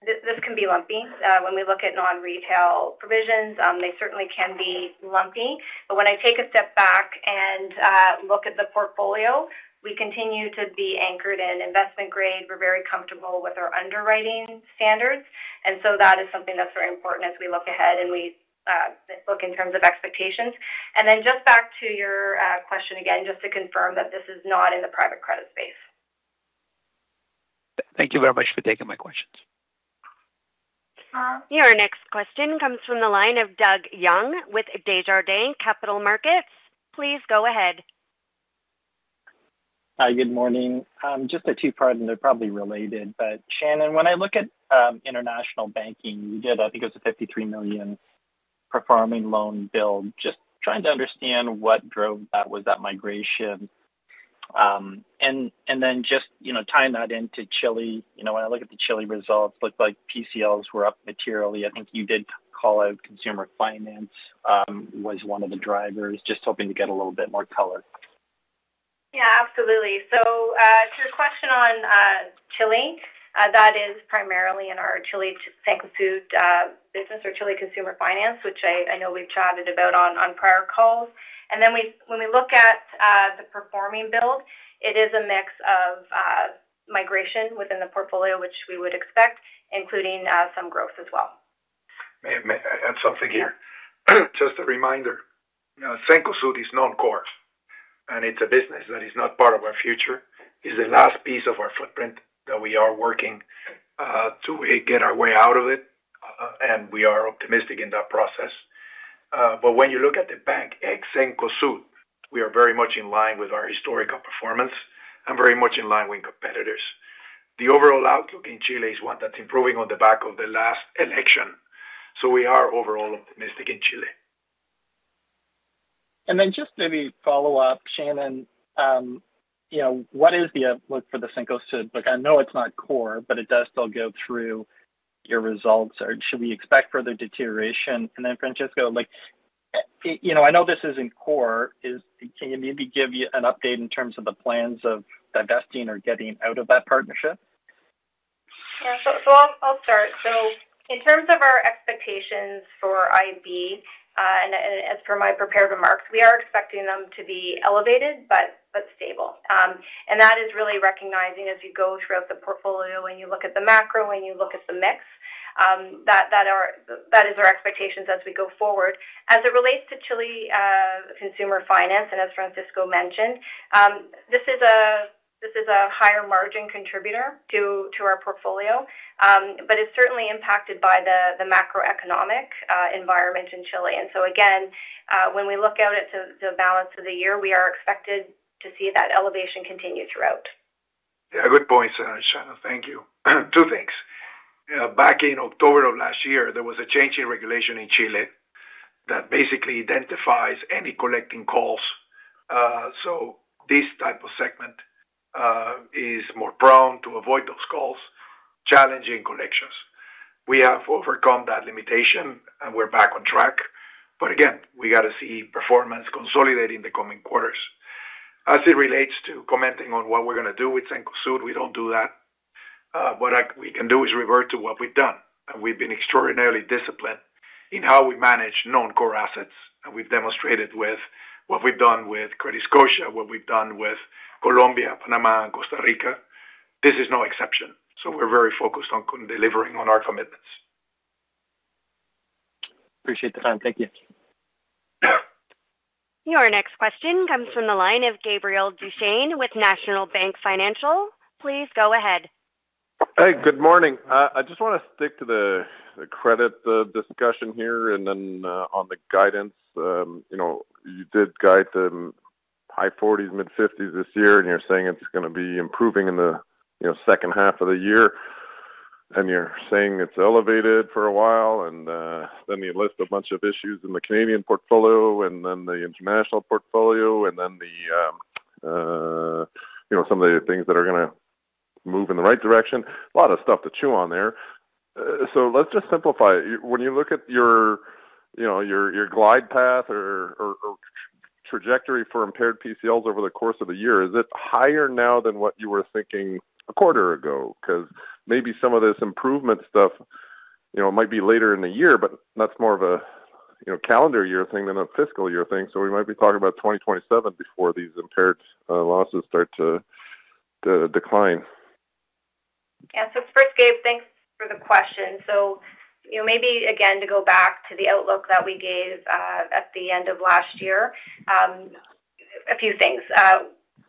[SPEAKER 5] this can be lumpy. When we look at non-retail provisions, they certainly can be lumpy. When I take a step back and look at the portfolio, we continue to be anchored in investment grade. We're very comfortable with our underwriting standards, that is something that's very important as we look ahead and we look in terms of expectations. Just back to your question again, just to confirm that this is not in the private credit space.
[SPEAKER 9] Thank you very much for taking my questions.
[SPEAKER 1] Your next question comes from the line of Doug Young with Desjardins Capital Markets. Please go ahead.
[SPEAKER 11] Hi, good morning. Just a two-part, and they're probably related, but Shannon, when I look at International Banking, you did, I think it was a 53 million performing loan build. Just trying to understand what drove that, was that migration? Then just, you know, tying that into Chile, you know, when I look at the Chile results, looked like PCLs were up materially. I think you did call out consumer finance, was one of the drivers. Just hoping to get a little bit more color.
[SPEAKER 5] Yeah, absolutely. To your question on Chile, that is primarily in our Chile Cencosud business or Chile consumer finance, which I know we've chatted about on prior calls. Then when we look at the performing build, it is a mix of migration within the portfolio, which we would expect, including some growth as well.
[SPEAKER 10] May I add something here? Just a reminder, Cencosud is non-core. It's a business that is not part of our future. It's the last piece of our footprint that we are working to get our way out of it. We are optimistic in that process. When you look at the bank ex Cencosud, we are very much in line with our historical performance and very much in line with competitors. The overall outlook in Chile is one that's improving on the back of the last election. We are overall optimistic in Chile.
[SPEAKER 11] Just maybe follow up, Shannon, you know, what is the outlook for the Cencosud? Look, I know it's not core, but it does still go through your results. Should we expect further deterioration? Francisco, like, you know, I know this isn't core, can you maybe give me an update in terms of the plans of divesting or getting out of that partnership?
[SPEAKER 5] Yeah. I'll start. In terms of our expectations for IB, as per my prepared remarks, we are expecting them to be elevated, but stable. That is really recognizing as you go throughout the portfolio, when you look at the macro, when you look at the mix, that is our expectations as we go forward. As it relates to Chile, consumer finance, as Francisco mentioned, this is a higher margin contributor to our portfolio, but it's certainly impacted by the macroeconomic environment in Chile. Again, when we look out at the balance of the year, we are expected to see that elevation continue throughout.
[SPEAKER 10] Yeah, good point, Shannon. Thank you. Two things.
[SPEAKER 7] Yeah, back in October of last year, there was a change in regulation in Chile that basically identifies any collecting calls. This type of segment is more prone to avoid those calls, challenging collections. We have overcome that limitation, and we're back on track. Again, we got to see performance consolidate in the coming quarters. As it relates to commenting on what we're going to do with Cencosud, we don't do that. What we can do is revert to what we've done, and we've been extraordinarily disciplined in how we manage non-core assets, and we've demonstrated with what we've done with CrediScotia, what we've done with Colombia, Panama, and Costa Rica. This is no exception. We're very focused on delivering on our commitments.
[SPEAKER 9] Appreciate the time. Thank you.
[SPEAKER 1] Your next question comes from the line of Gabriel Dechaine with National Bank Financial. Please go ahead.
[SPEAKER 12] Hey, good morning. I just want to stick to the credit discussion here on the guidance. You know, you did guide the high 40s, mid-50s this year, and you're saying it's going to be improving in the, you know, second half of the year. You're saying it's elevated for a while, then you list a bunch of issues in the Canadian portfolio and then the international portfolio, and then the, you know, some of the things that are going to move in the right direction. A lot of stuff to chew on there. Let's just simplify it. When you look at your, you know, your glide path or trajectory for impaired PCLs over the course of the year, is it higher now than what you were thinking a quarter ago? Maybe some of this improvement stuff, you know, might be later in the year, but that's more of a, you know, calendar year thing than a fiscal year thing, so we might be talking about 2027 before these impaired losses start to decline.
[SPEAKER 5] Yeah. first, Gabe, thanks for the question. you know, maybe, again, to go back to the outlook that we gave at the end of last year, a few things.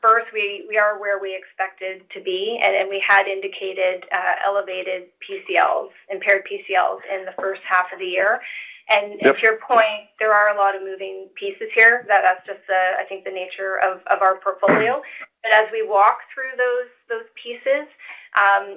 [SPEAKER 5] first, we are where we expected to be, and then we had indicated elevated PCLs, impaired PCLs in the first half of the year.
[SPEAKER 12] Yep.
[SPEAKER 5] To your point, there are a lot of moving pieces here. That's just the, I think, the nature of our portfolio. As we walk through those pieces,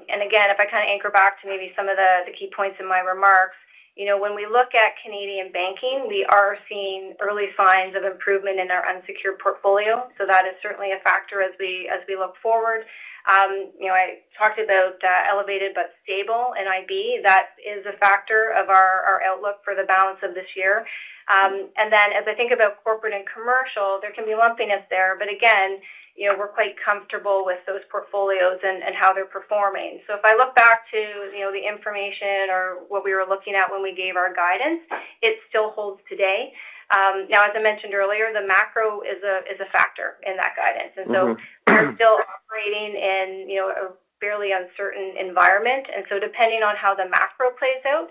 [SPEAKER 5] again, if I kind of anchor back to maybe some of the key points in my remarks, you know, when we look at Canadian Banking, we are seeing early signs of improvement in our unsecured portfolio. That is certainly a factor as we look forward. You know, I talked about elevated but stable NIB. That is a factor of our outlook for the balance of this year. As I think about corporate and commercial, there can be lumpiness there. Again, you know, we're quite comfortable with those portfolios and how they're performing. If I look back to, you know, the information or what we were looking at when we gave our guidance, it still holds today. Now, as I mentioned earlier, the macro is a factor in that guidance. We're still operating in, you know, a fairly uncertain environment. Depending on how the macro plays out,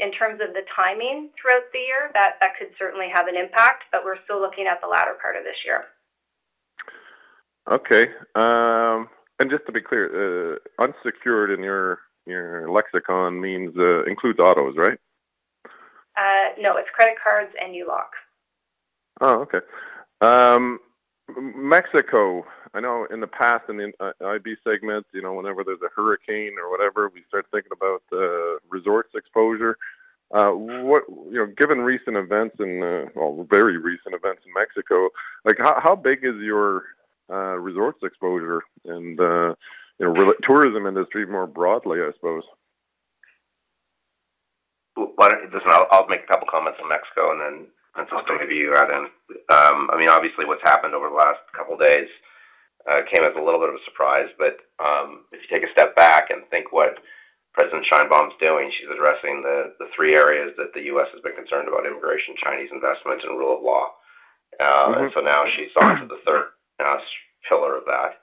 [SPEAKER 5] in terms of the timing throughout the year, that could certainly have an impact, but we're still looking at the latter part of this year.
[SPEAKER 12] Okay, just to be clear, unsecured in your lexicon means, includes autos, right?
[SPEAKER 5] no, it's credit cards and ULOC.
[SPEAKER 12] Okay. Mexico, I know in the past, in the IB segment, you know, whenever there's a hurricane or whatever, we start thinking about the resorts exposure. You know, given recent events in, well, very recent events in Mexico, like, how big is your resorts exposure and, you know, tourism industry more broadly, I suppose?
[SPEAKER 7] Well, listen, I'll make a couple of comments on Mexico, and then, and so maybe you add in. I mean, obviously, what's happened over the last couple of days, came as a little bit of a surprise, but if you take a step back and think what President Sheinbaum's doing, she's addressing the three areas that the U.S. has been concerned about: immigration, Chinese investment, and rule of law.
[SPEAKER 3] Now she's on to the third pillar of that.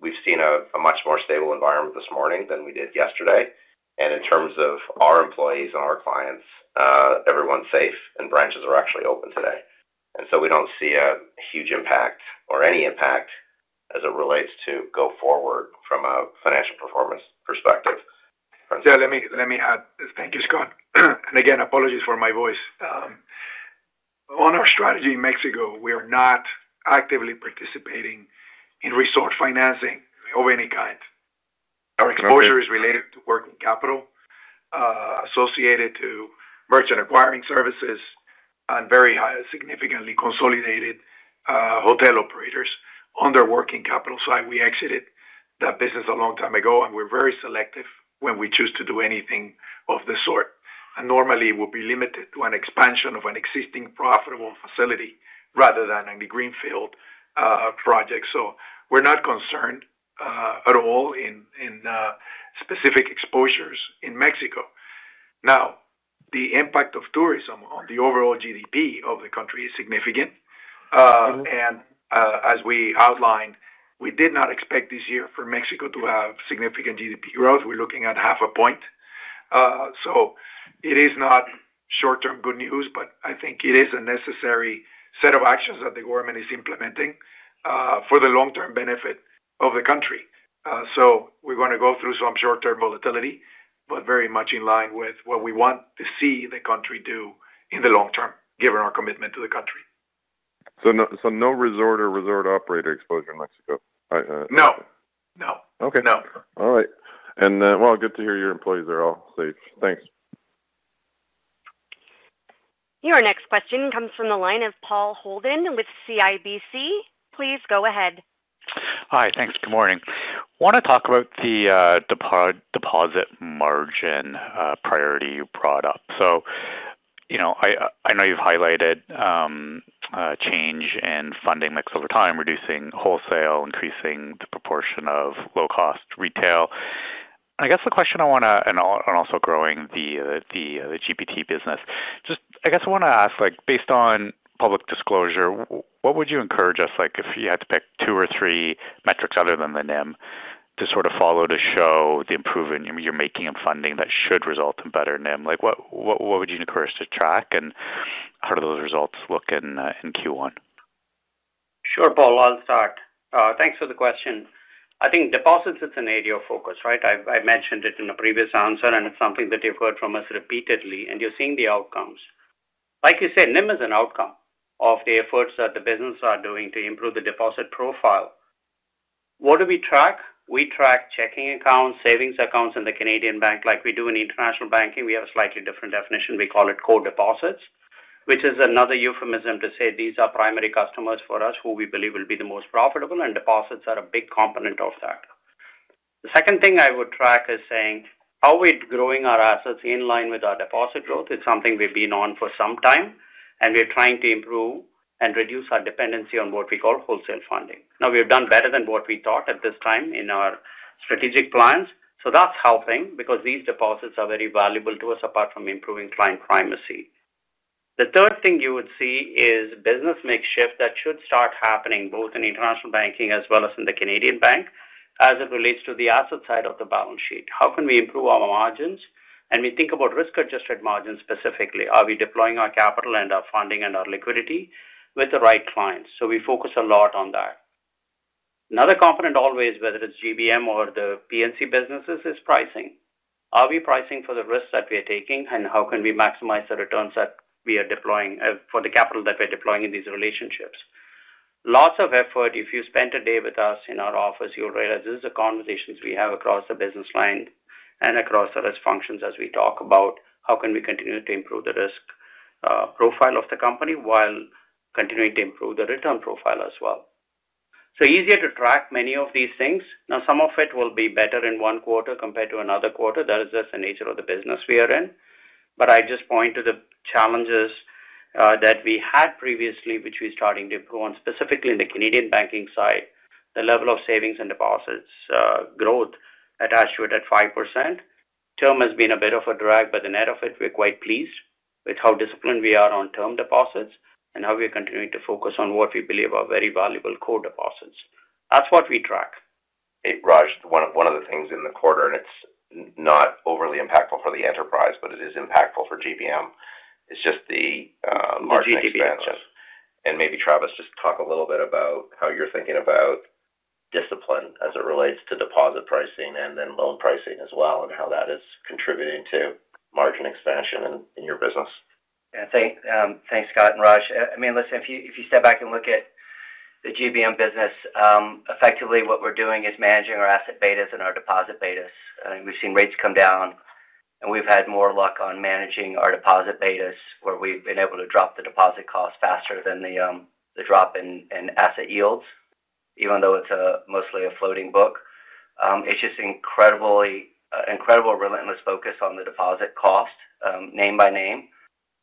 [SPEAKER 3] We've seen a much more stable environment this morning than we did yesterday. In terms of our employees and our clients, everyone's safe, and branches are actually open today. We don't see a huge impact or any impact as it relates to go forward from a financial performance perspective.
[SPEAKER 5] Yeah, let me add. Thank you, Scott. Again, apologies for my voice. On our strategy in Mexico, we are not actively participating in resort financing of any kind.
[SPEAKER 12] Okay.
[SPEAKER 7] Our exposure is related to working capital, associated to merchant acquiring services on very high, significantly consolidated, hotel operators on their working capital side. We exited that business a long time ago, and we're very selective when we choose to do anything of the sort. Normally, we'll be limited to an expansion of an existing profitable facility rather than in the greenfield, project. We're not concerned at all in specific exposures in Mexico. The impact of tourism on the overall GDP of the country is significant. As we outlined, we did not expect this year for Mexico to have significant GDP growth. We're looking at half a point. It is not short-term good news, but I think it is a necessary set of actions that the government is implementing, for the long-term benefit of the country. We're going to go through some short-term volatility, but very much in line with what we want to see the country do in the long term, given our commitment to the country.
[SPEAKER 13] No resort or resort operator exposure in Mexico? I
[SPEAKER 3] No, no.
[SPEAKER 13] Okay.
[SPEAKER 3] No.
[SPEAKER 13] All right. Well, good to hear your employees are all safe. Thanks.
[SPEAKER 1] Your next question comes from the line of Paul Holden with CIBC. Please go ahead.
[SPEAKER 14] Hi. Thanks. Good morning. I want to talk about the deposit margin priority you brought up. You know, I know you've highlighted change in funding mix over time, reducing wholesale, increasing the proportion of low-cost retail. Also growing the GPT business. I guess I want to ask, like, based on public disclosure, what would you encourage us, like, if you had to pick two or three metrics other than the NIM, to sort of follow to show the improvement you're making in funding that should result in better NIM? What would you encourage us to track, and how do those results look in Q1?
[SPEAKER 4] Sure, Paul, I'll start. Thanks for the question. I think deposits is an area of focus, right? I mentioned it in a previous answer. It's something that you've heard from us repeatedly. You're seeing the outcomes. Like you said, NIM is an outcome of the efforts that the business are doing to improve the deposit profile. What do we track? We track checking accounts, savings accounts in the Canadian Banking like we do in International Banking. We have a slightly different definition. We call it core deposits, which is another euphemism to say these are primary customers for us, who we believe will be the most profitable. Deposits are a big component of that. The second thing I would track is saying, are we growing our assets in line with our deposit growth? It's something we've been on for some time, and we're trying to improve and reduce our dependency on what we call wholesale funding. We have done better than what we thought at this time in our strategic plans. That's helping because these deposits are very valuable to us, apart from improving client primacy. The third thing you would see is business mix shift. That should start happening both in International Banking as well as in the Canadian Banking, as it relates to the asset side of the balance sheet. How can we improve our margins? We think about risk-adjusted margins specifically. Are we deploying our capital and our funding and our liquidity with the right clients? We focus a lot on that. Another component always, whether it's GBM or the PNC businesses, is pricing. Are we pricing for the risks that we are taking, how can we maximize the returns that we are deploying for the capital that we're deploying in these relationships? Lots of effort. If you spent a day with us in our office, you'll realize this is the conversations we have across the business line and across the risk functions as we talk about how can we continue to improve the risk profile of the company while continuing to improve the return profile as well. Easier to track many of these things. Some of it will be better in one quarter compared to another quarter. That is just the nature of the business we are in. I just point to the challenges that we had previously, which we're starting to improve on, specifically in the Canadian Banking side, the level of savings and deposits, growth attached to it at 5%. Term has been a bit of a drag, but the net of it, we're quite pleased with how disciplined we are on term deposits and how we are continuing to focus on what we believe are very valuable core deposits. That's what we track.
[SPEAKER 3] Hey, Raj, one of the things in the quarter, and it's not overly impactful for the enterprise, but it is impactful for GBM, is just the margin expansion.
[SPEAKER 4] GBM, yes.
[SPEAKER 3] Maybe, Travis, just talk a little bit about how you're thinking about discipline as it relates to deposit pricing and then loan pricing as well, and how that is contributing to margin expansion in your business.
[SPEAKER 13] Thanks, Scott and Raj. I mean, listen, if you, if you step back and look at the GBM business, effectively what we're doing is managing our asset betas and our deposit betas. We've seen rates come down, and we've had more luck on managing our deposit betas, where we've been able to drop the deposit costs faster than the drop in asset yields, even though it's a mostly a floating book. It's just incredibly incredible relentless focus on the deposit cost, name by name,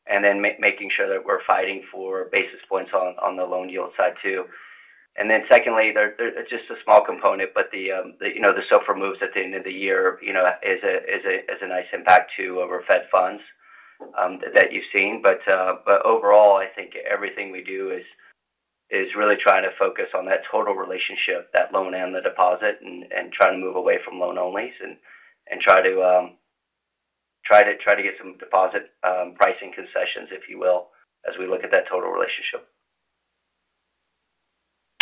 [SPEAKER 13] and then making sure that we're fighting for basis points on the loan yield side, too. secondly, there it's just a small component, but the, you know, the SOFR moves at the end of the year, you know, is a nice impact to over fed funds that you've seen. Overall, I think everything we do is really trying to focus on that total relationship, that loan and the deposit, and trying to move away from loan onlys and try to get some deposit pricing concessions, if you will, as we look at that total relationship.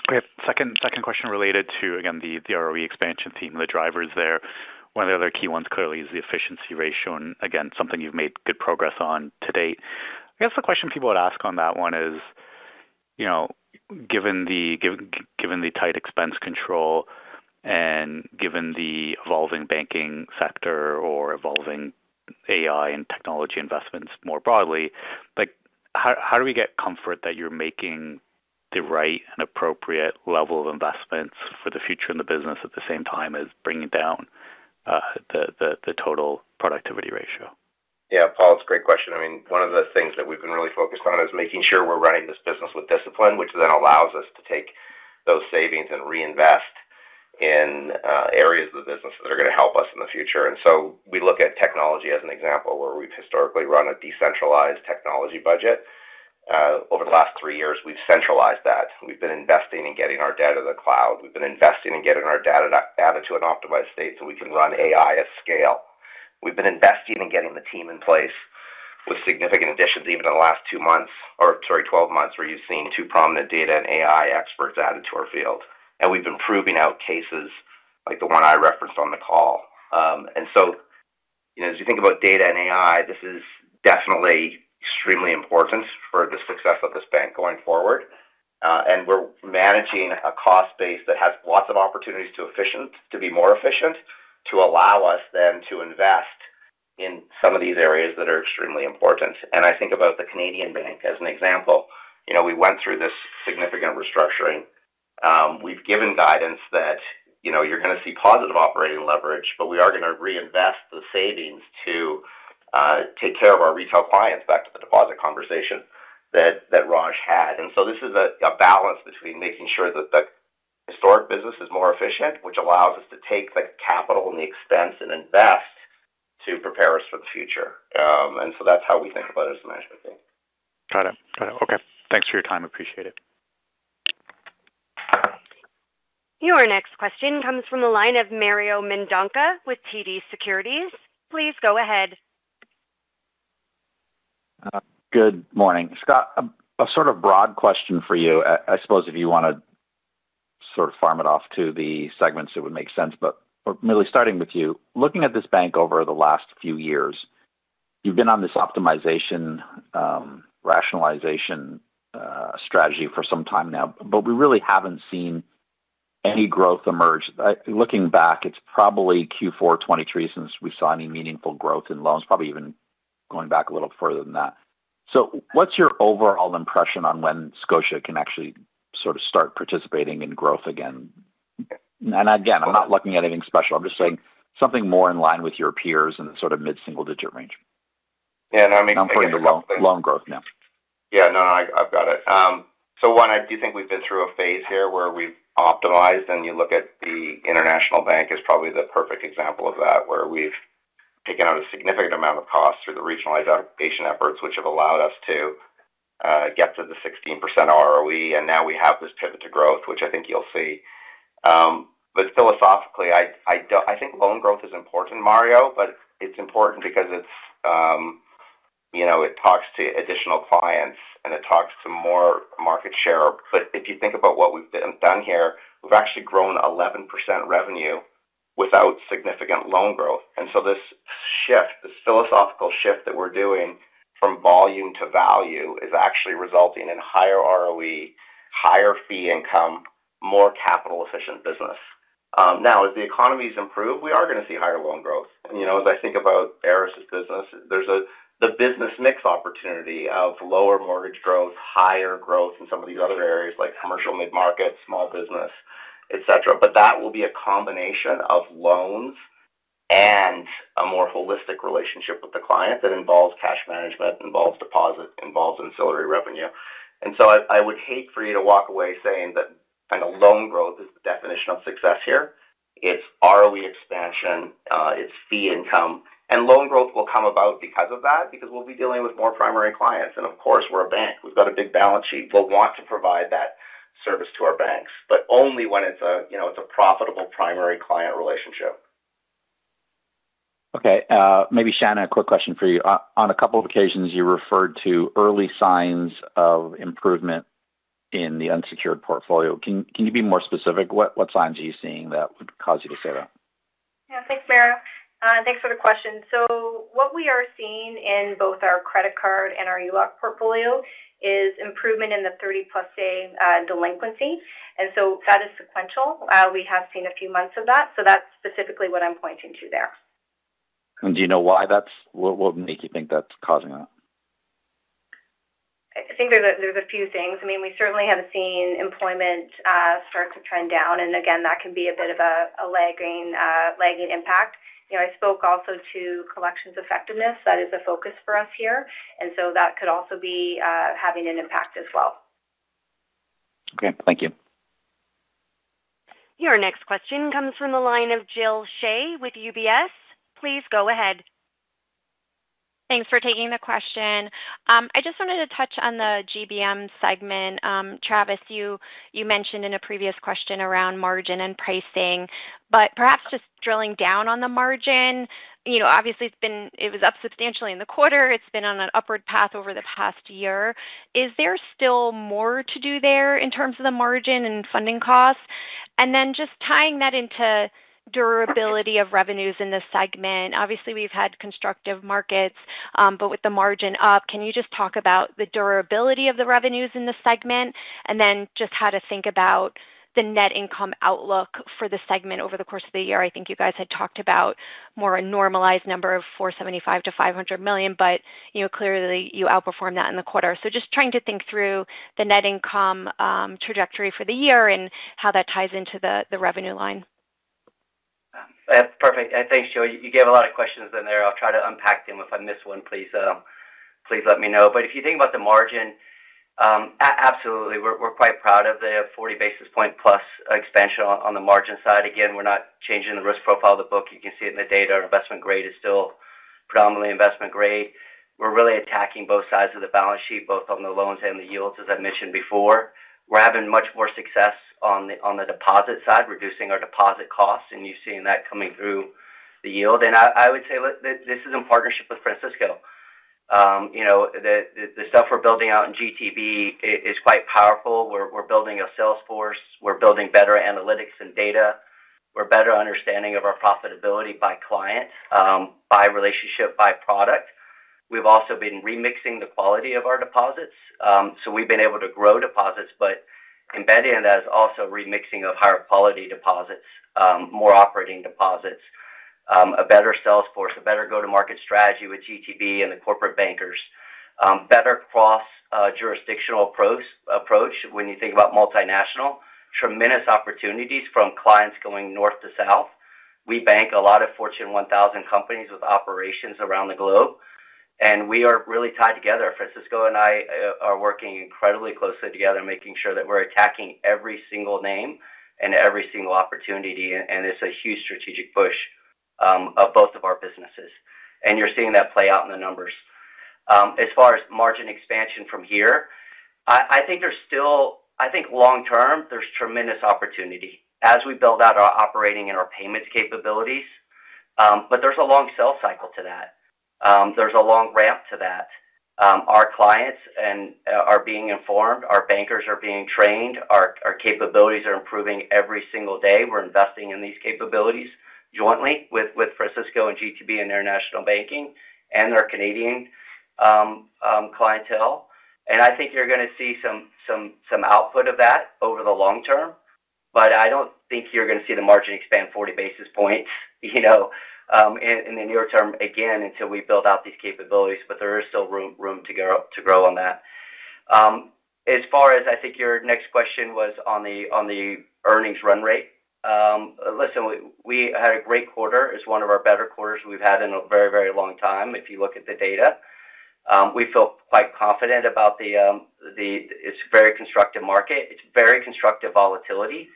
[SPEAKER 14] We have second question related to, again, the ROE expansion theme and the drivers there. One of the other key ones clearly is the efficiency ratio, and again, something you've made good progress on to date. I guess the question people would ask on that one is, you know, given the tight expense control and given the evolving banking sector or evolving AI and technology investments more broadly, like, how do we get comfort that you're making the right and appropriate level of investments for the future in the business at the same time as bringing down the total productivity ratio?
[SPEAKER 3] Yeah, Paul, it's a great question. I mean, one of the things that we've been really focused on is making sure we're running this business with discipline, which then allows us to take those savings and reinvest in areas of the business that are going to help us in the future. We look at technology as an example where we've historically run a decentralized technology budget. Over the last three years, we've centralized that. We've been investing in getting our data to the cloud. We've been investing in getting our data to an optimized state so we can run AI at scale. We've been investing in getting the team in place with significant additions, even in the last two months, or sorry, 12 months, where you've seen two prominent data and AI experts added to our field. We've been proving out cases like the one I referenced on the call. You know, as you think about data and AI, this is definitely extremely important for the success of this bank going forward. We're managing a cost base that has lots of opportunities to be more efficient, to allow us then to invest in some of these areas that are extremely important. I think about the Canadian Banking as an example. You know, we went through this significant restructuring. We've given guidance that, you know, you're going to see positive operating leverage, but we are going to reinvest the savings to take care of our retail clients, back to the deposit conversation that Raj had. This is a balance between making sure that the historic business is more efficient, which allows us to take the capital and the expense and invest to prepare us for the future. That's how we think about it as a management team.
[SPEAKER 14] Got it. Got it. Okay. Thanks for your time. Appreciate it.
[SPEAKER 15] Your next question comes from the line of Mario Mendonca with TD Securities. Please go ahead.
[SPEAKER 16] Good morning. Scott, a sort of broad question for you. I suppose if you want to sort of farm it off to the segments, it would make sense, but really starting with you. Looking at this bank over the last few years, you've been on this optimization, rationalization, strategy for some time now, but we really haven't seen any growth emerge. Looking back, it's probably Q4 '23 since we saw any meaningful growth in loans, probably even going back a little further than that. What's your overall impression on when Scotia can actually sort of start participating in growth again? Again, I'm not looking at anything special. I'm just saying something more in line with your peers in the sort of mid-single digit range.
[SPEAKER 3] Yeah, no, I mean.
[SPEAKER 16] I'm putting the loan growth now.
[SPEAKER 3] Yeah, no, I've got it. One, I do think we've been through a phase here where we've optimized, and you look at the International Banking is probably the perfect example of that, where we've taken out a significant amount of costs through the regionalization efforts, which have allowed us to get to the 16% ROE, and now we have this pivot to growth, which I think you'll see. Philosophically, I think loan growth is important, Mario, but it's important because it's, you know, it talks to additional clients, and it talks to more market share. If you think about what we've done here, we've actually grown 11% revenue without significant loan growth. This shift, this philosophical shift that we're doing from volume to value, is actually resulting in higher ROE, higher fee income, more capital efficient business. Now, as the economies improve, we are going to see higher loan growth. You know, as I think about Aris's business, the business mix opportunity of lower mortgage growth, higher growth in some of these other areas like commercial mid-market, small business, et cetera. That will be a combination of loans and a more holistic relationship with the client that involves cash management, involves deposit, involves ancillary revenue. I would hate for you to walk away saying that kind of loan growth is the definition of success here. It's ROE expansion, it's fee income, and loan growth will come about because of that, because we'll be dealing with more primary clients. Of course, we're a bank. We've got a big balance sheet. We'll want to provide that service to our banks, but only when it's a, you know, it's a profitable primary client relationship.
[SPEAKER 16] Okay, maybe, Shannon, a quick question for you. On a couple of occasions, you referred to early signs of improvement in the unsecured portfolio. Can you be more specific? What signs are you seeing that would cause you to say that?
[SPEAKER 5] Yeah, thanks, Mario. Thanks for the question. What we are seeing in both our credit card and our ULOC portfolio is improvement in the 30-plus day delinquency. That is sequential. We have seen a few months of that, so that's specifically what I'm pointing to there.
[SPEAKER 16] Do you know why that's. What make you think that's causing that?
[SPEAKER 5] I think there's a few things. I mean, we certainly have seen employment start to trend down, and again, that can be a bit of a lagging impact. You know, I spoke also to collections effectiveness. That is a focus for us here, and so that could also be having an impact as well.
[SPEAKER 16] Okay, thank you.
[SPEAKER 1] Your next question comes from the line of Jillian Shee with UBS. Please go ahead.
[SPEAKER 17] Thanks for taking the question. I just wanted to touch on the GBM segment. Travis, you mentioned in a previous question around margin and pricing, but perhaps just drilling down on the margin, you know, obviously, it was up substantially in the quarter. It's been on an upward path over the past year. Is there still more to do there in terms of the margin and funding costs? Just tying that into durability of revenues in the segment. Obviously, we've had constructive markets, but with the margin up, can you just talk about the durability of the revenues in the segment, and then just how to think about the net income outlook for the segment over the course of the year? I think you guys had talked about more a normalized number of 475 million-500 million, but, you know, clearly you outperformed that in the quarter. Just trying to think through the net income trajectory for the year and how that ties into the revenue line.
[SPEAKER 3] Perfect. Thanks, Jillian. You gave a lot of questions in there. I'll try to unpack them. If I miss one, please let me know. If you think about the margin, absolutely, we're quite proud of the 40 basis point plus expansion on the margin side. Again, we're not changing the risk profile of the book. You can see it in the data. Our investment grade is still predominantly investment grade. We're really attacking both sides of the balance sheet, both on the loans and the yields, as I mentioned before. We're having much more success on the deposit side, reducing our deposit costs, and you've seen that coming through the yield. I would say that this is in partnership with Francisco....
[SPEAKER 13] you know, the, the stuff we're building out in GTB is quite powerful. We're building a sales force. We're building better analytics and data. We're better understanding of our profitability by client, by relationship, by product. We've also been remixing the quality of our deposits. We've been able to grow deposits, but embedded in that is also remixing of higher quality deposits, more operating deposits, a better sales force, a better go-to-market strategy with GTB and the corporate bankers, better cross jurisdictional approach when you think about multinational. Tremendous opportunities from clients going north to south. We bank a lot of Fortune 1000 companies with operations around the globe, and we are really tied together. Francisco and I are working incredibly closely together, making sure that we're attacking every single name and every single opportunity, and it's a huge strategic push of both of our businesses, and you're seeing that play out in the numbers. As far as margin expansion from here, I think long term, there's tremendous opportunity as we build out our operating and our payments capabilities, but there's a long sales cycle to that. There's a long ramp to that. Our clients are being informed, our bankers are being trained, our capabilities are improving every single day. We're investing in these capabilities jointly with Francisco and GTB and International Banking and our Canadian clientele. I think you're going to see some output of that over the long term, but I don't think you're going to see the margin expand 40 basis points, you know, in the near term, again, until we build out these capabilities, but there is still room to grow on that. As far as I think your next question was on the earnings run rate. Listen, we had a great quarter. It's one of our better quarters we've had in a very, very long time, if you look at the data. We feel quite confident about it's a very constructive market. It's very constructive volatility.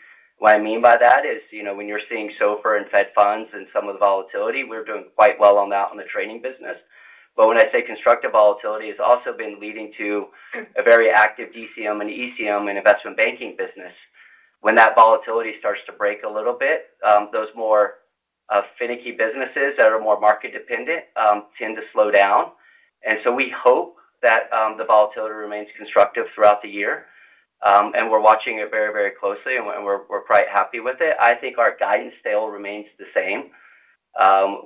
[SPEAKER 13] What I mean by that is, you know, when you're seeing SOFR and Fed funds and some of the volatility, we're doing quite well on that on the trading business. When I say constructive volatility, it's also been leading to a very active DCM and ECM and investment banking business. When that volatility starts to break a little bit, those more finicky businesses that are more market dependent, tend to slow down. We hope that the volatility remains constructive throughout the year. We're watching it very, very closely, and we're quite happy with it. I think our guidance sale remains the same.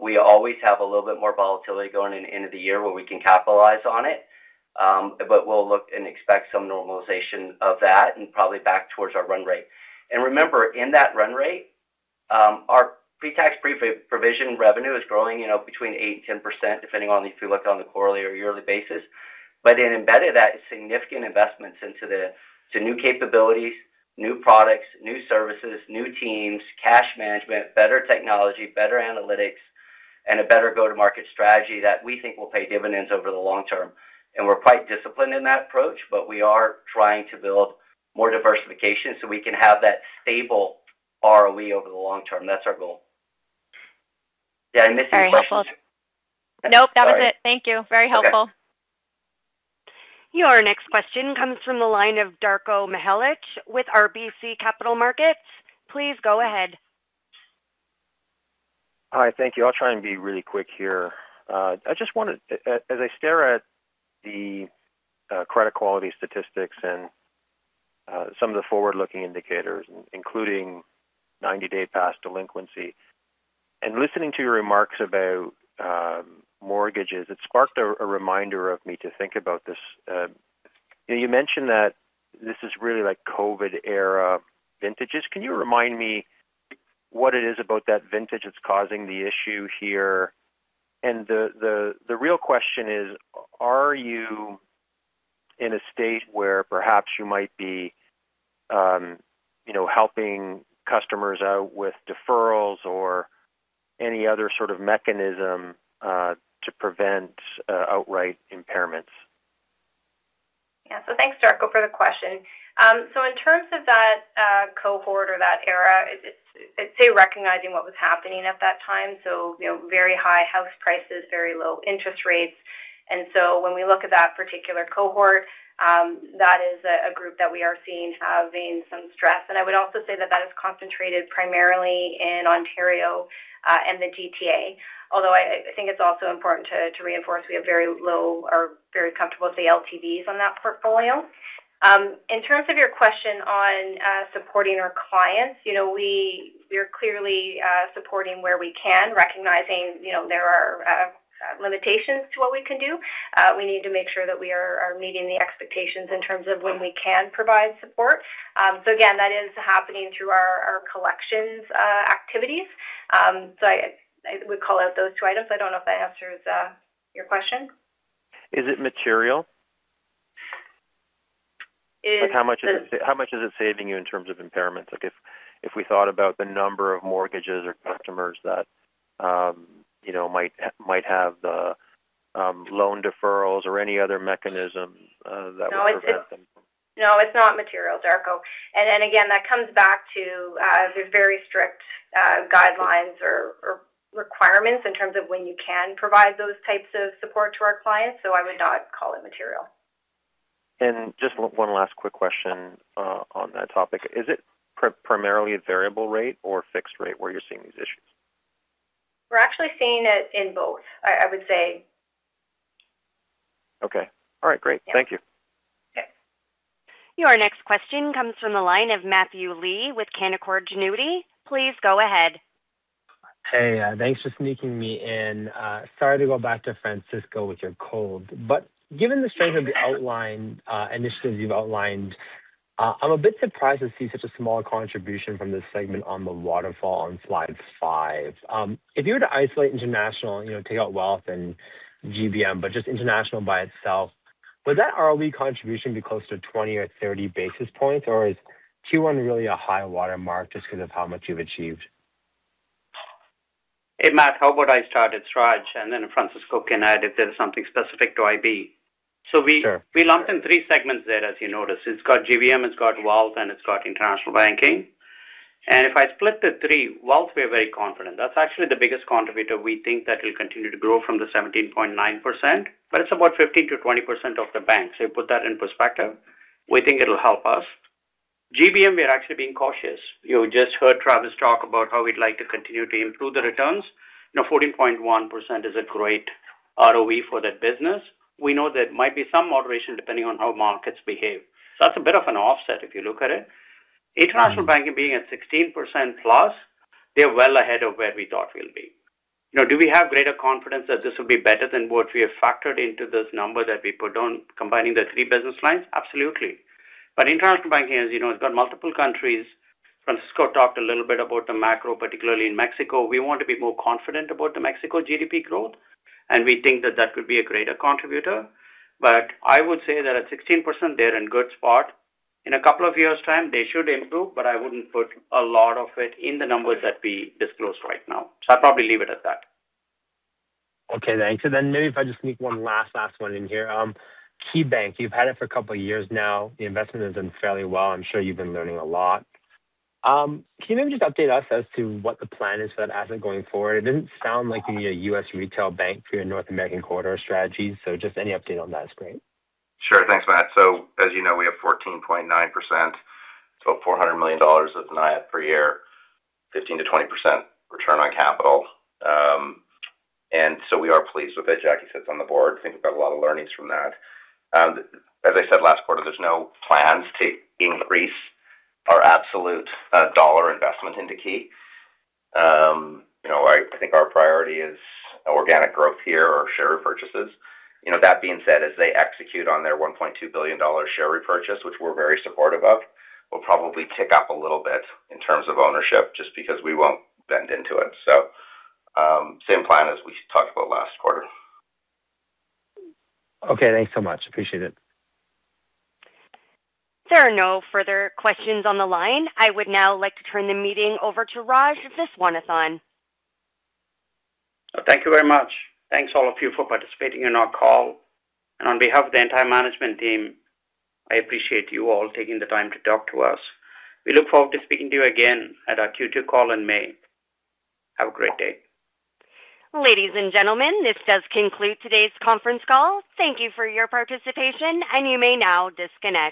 [SPEAKER 13] We always have a little bit more volatility going into the end of the year where we can capitalize on it. We'll look and expect some normalization of that and probably back towards our run rate. Remember, in that run rate, our pre-tax, pre-provision revenue is growing, you know, between 8% and 10%, depending on if you look on the quarterly or yearly basis. Embedded that is significant investments to new capabilities, new products, new services, new teams, cash management, better technology, better analytics, and a better go-to-market strategy that we think will pay dividends over the long term. We're quite disciplined in that approach, but we are trying to build more diversification so we can have that stable ROE over the long term. That's our goal. Did I miss any questions?
[SPEAKER 5] Nope, that was it. Thank you. Very helpful.
[SPEAKER 13] Okay.
[SPEAKER 15] Your next question comes from the line of Darko Mihelic with RBC Capital Markets. Please go ahead.
[SPEAKER 18] Hi, thank you. I'll try and be really quick here. As I stare at the credit quality statistics and some of the forward-looking indicators, including 90-day past delinquency, and listening to your remarks about mortgages, it sparked a reminder of me to think about this. You mentioned that this is really like COVID-era vintages. Can you remind me what it is about that vintage that's causing the issue here? The real question is, are you in a state where perhaps you might be, you know, helping customers out with deferrals or any other sort of mechanism to prevent outright impairments?
[SPEAKER 5] Thanks, Darko, for the question. In terms of that cohort or that era, it's, I'd say, recognizing what was happening at that time, you know, very high house prices, very low interest rates. When we look at that particular cohort, that is a group that we are seeing having some stress. I would also say that that is concentrated primarily in Ontario and the GTA. Although I think it's also important to reinforce, we have very low or very comfortable, say, LTVs on that portfolio. In terms of your question on supporting our clients, you know, we're clearly supporting where we can, recognizing, you know, there are limitations to what we can do. We need to make sure that we are meeting the expectations in terms of when we can provide support. Again, that is happening through our collections activities. I would call out those two items. I don't know if that answers your question.
[SPEAKER 18] Is it material?
[SPEAKER 5] It-
[SPEAKER 18] How much is it saving you in terms of impairments? If, if we thought about the number of mortgages or customers that, you know, might have the loan deferrals or any other mechanisms that would prevent them?
[SPEAKER 5] No, it's not material, Darko. Then again, that comes back to the very strict guidelines or requirements in terms of when you can provide those types of support to our clients. I would not call it material....
[SPEAKER 18] just one last quick question, on that topic. Is it primarily a variable rate or fixed rate where you're seeing these issues?
[SPEAKER 5] We're actually seeing it in both. I would say.
[SPEAKER 18] Okay. All right, great. Thank you.
[SPEAKER 5] Okay.
[SPEAKER 15] Your next question comes from the line of Matthew Lee with Canaccord Genuity. Please go ahead.
[SPEAKER 19] Hey, thanks for sneaking me in. Sorry to go back to Francisco with your cold, but given the strength of the outline initiatives you've outlined, I'm a bit surprised to see such a small contribution from this segment on the waterfall on slide five. If you were to isolate International, you know, take out Wealth and GBM, but just International by itself, would that ROE contribution be close to 20 or 30 basis points, or is Q1 really a high-water mark just because of how much you've achieved?
[SPEAKER 4] Hey, Matt, how about I start? It's Raj, and then Francisco can add if there's something specific to IB.
[SPEAKER 19] Sure.
[SPEAKER 4] We lumped in three segments there, as you noticed. It's got GBM, it's got Wealth, and it's got International Banking. If I split the three, Wealth, we are very confident. That's actually the biggest contributor we think that will continue to grow from the 17.9%, but it's about 15%-20% of the bank. You put that in perspective, we think it'll help us. GBM, we are actually being cautious. You just heard Travis talk about how we'd like to continue to improve the returns. Now, 14.1% is a great ROE for that business. We know there might be some moderation depending on how markets behave. That's a bit of an offset if you look at it. International Banking being at 16%+, they're well ahead of where we thought we'll be. Do we have greater confidence that this will be better than what we have factored into this number that we put on combining the three business lines? Absolutely. International Banking, as you know, it's got multiple countries. Francisco talked a little bit about the macro, particularly in Mexico. We want to be more confident about the Mexico GDP growth, and we think that that could be a greater contributor. I would say that at 16%, they're in good spot. In a couple of years' time, they should improve, but I wouldn't put a lot of it in the numbers that we disclosed right now. I'd probably leave it at that.
[SPEAKER 19] Okay, thanks. Maybe if I just make one last one in here. KeyBank, you've had it for a couple of years now. The investment has done fairly well. I'm sure you've been learning a lot. Can you just update us as to what the plan is for that asset going forward? It didn't sound like you need a U.S. retail bank for your North American corridor strategy. Just any update on that is great.
[SPEAKER 3] Thanks, Matt. As you know, we have 14.9%, so $400 million of NIF per year, 15%-20% return on capital. We are pleased with it. Jackie sits on the board. We've got a lot of learnings from that. As I said last quarter, there's no plans to increase our absolute dollar investment into KeyCorp. You know, I think our priority is organic growth here or share repurchases. You know, that being said, as they execute on their $1.2 billion share repurchase, which we're very supportive of, we'll probably tick up a little bit in terms of ownership just because we won't bend into it. Same plan as we talked about last quarter.
[SPEAKER 19] Okay, thanks so much. Appreciate it.
[SPEAKER 15] There are no further questions on the line. I would now like to turn the meeting over to Rajagopal Viswanathan.
[SPEAKER 4] Thank you very much. Thanks, all of you, for participating in our call. On behalf of the entire management team, I appreciate you all taking the time to talk to us. We look forward to speaking to you again at our Q2 call in May. Have a great day.
[SPEAKER 15] Ladies and gentlemen, this does conclude today's conference call. Thank you for your participation. You may now disconnect.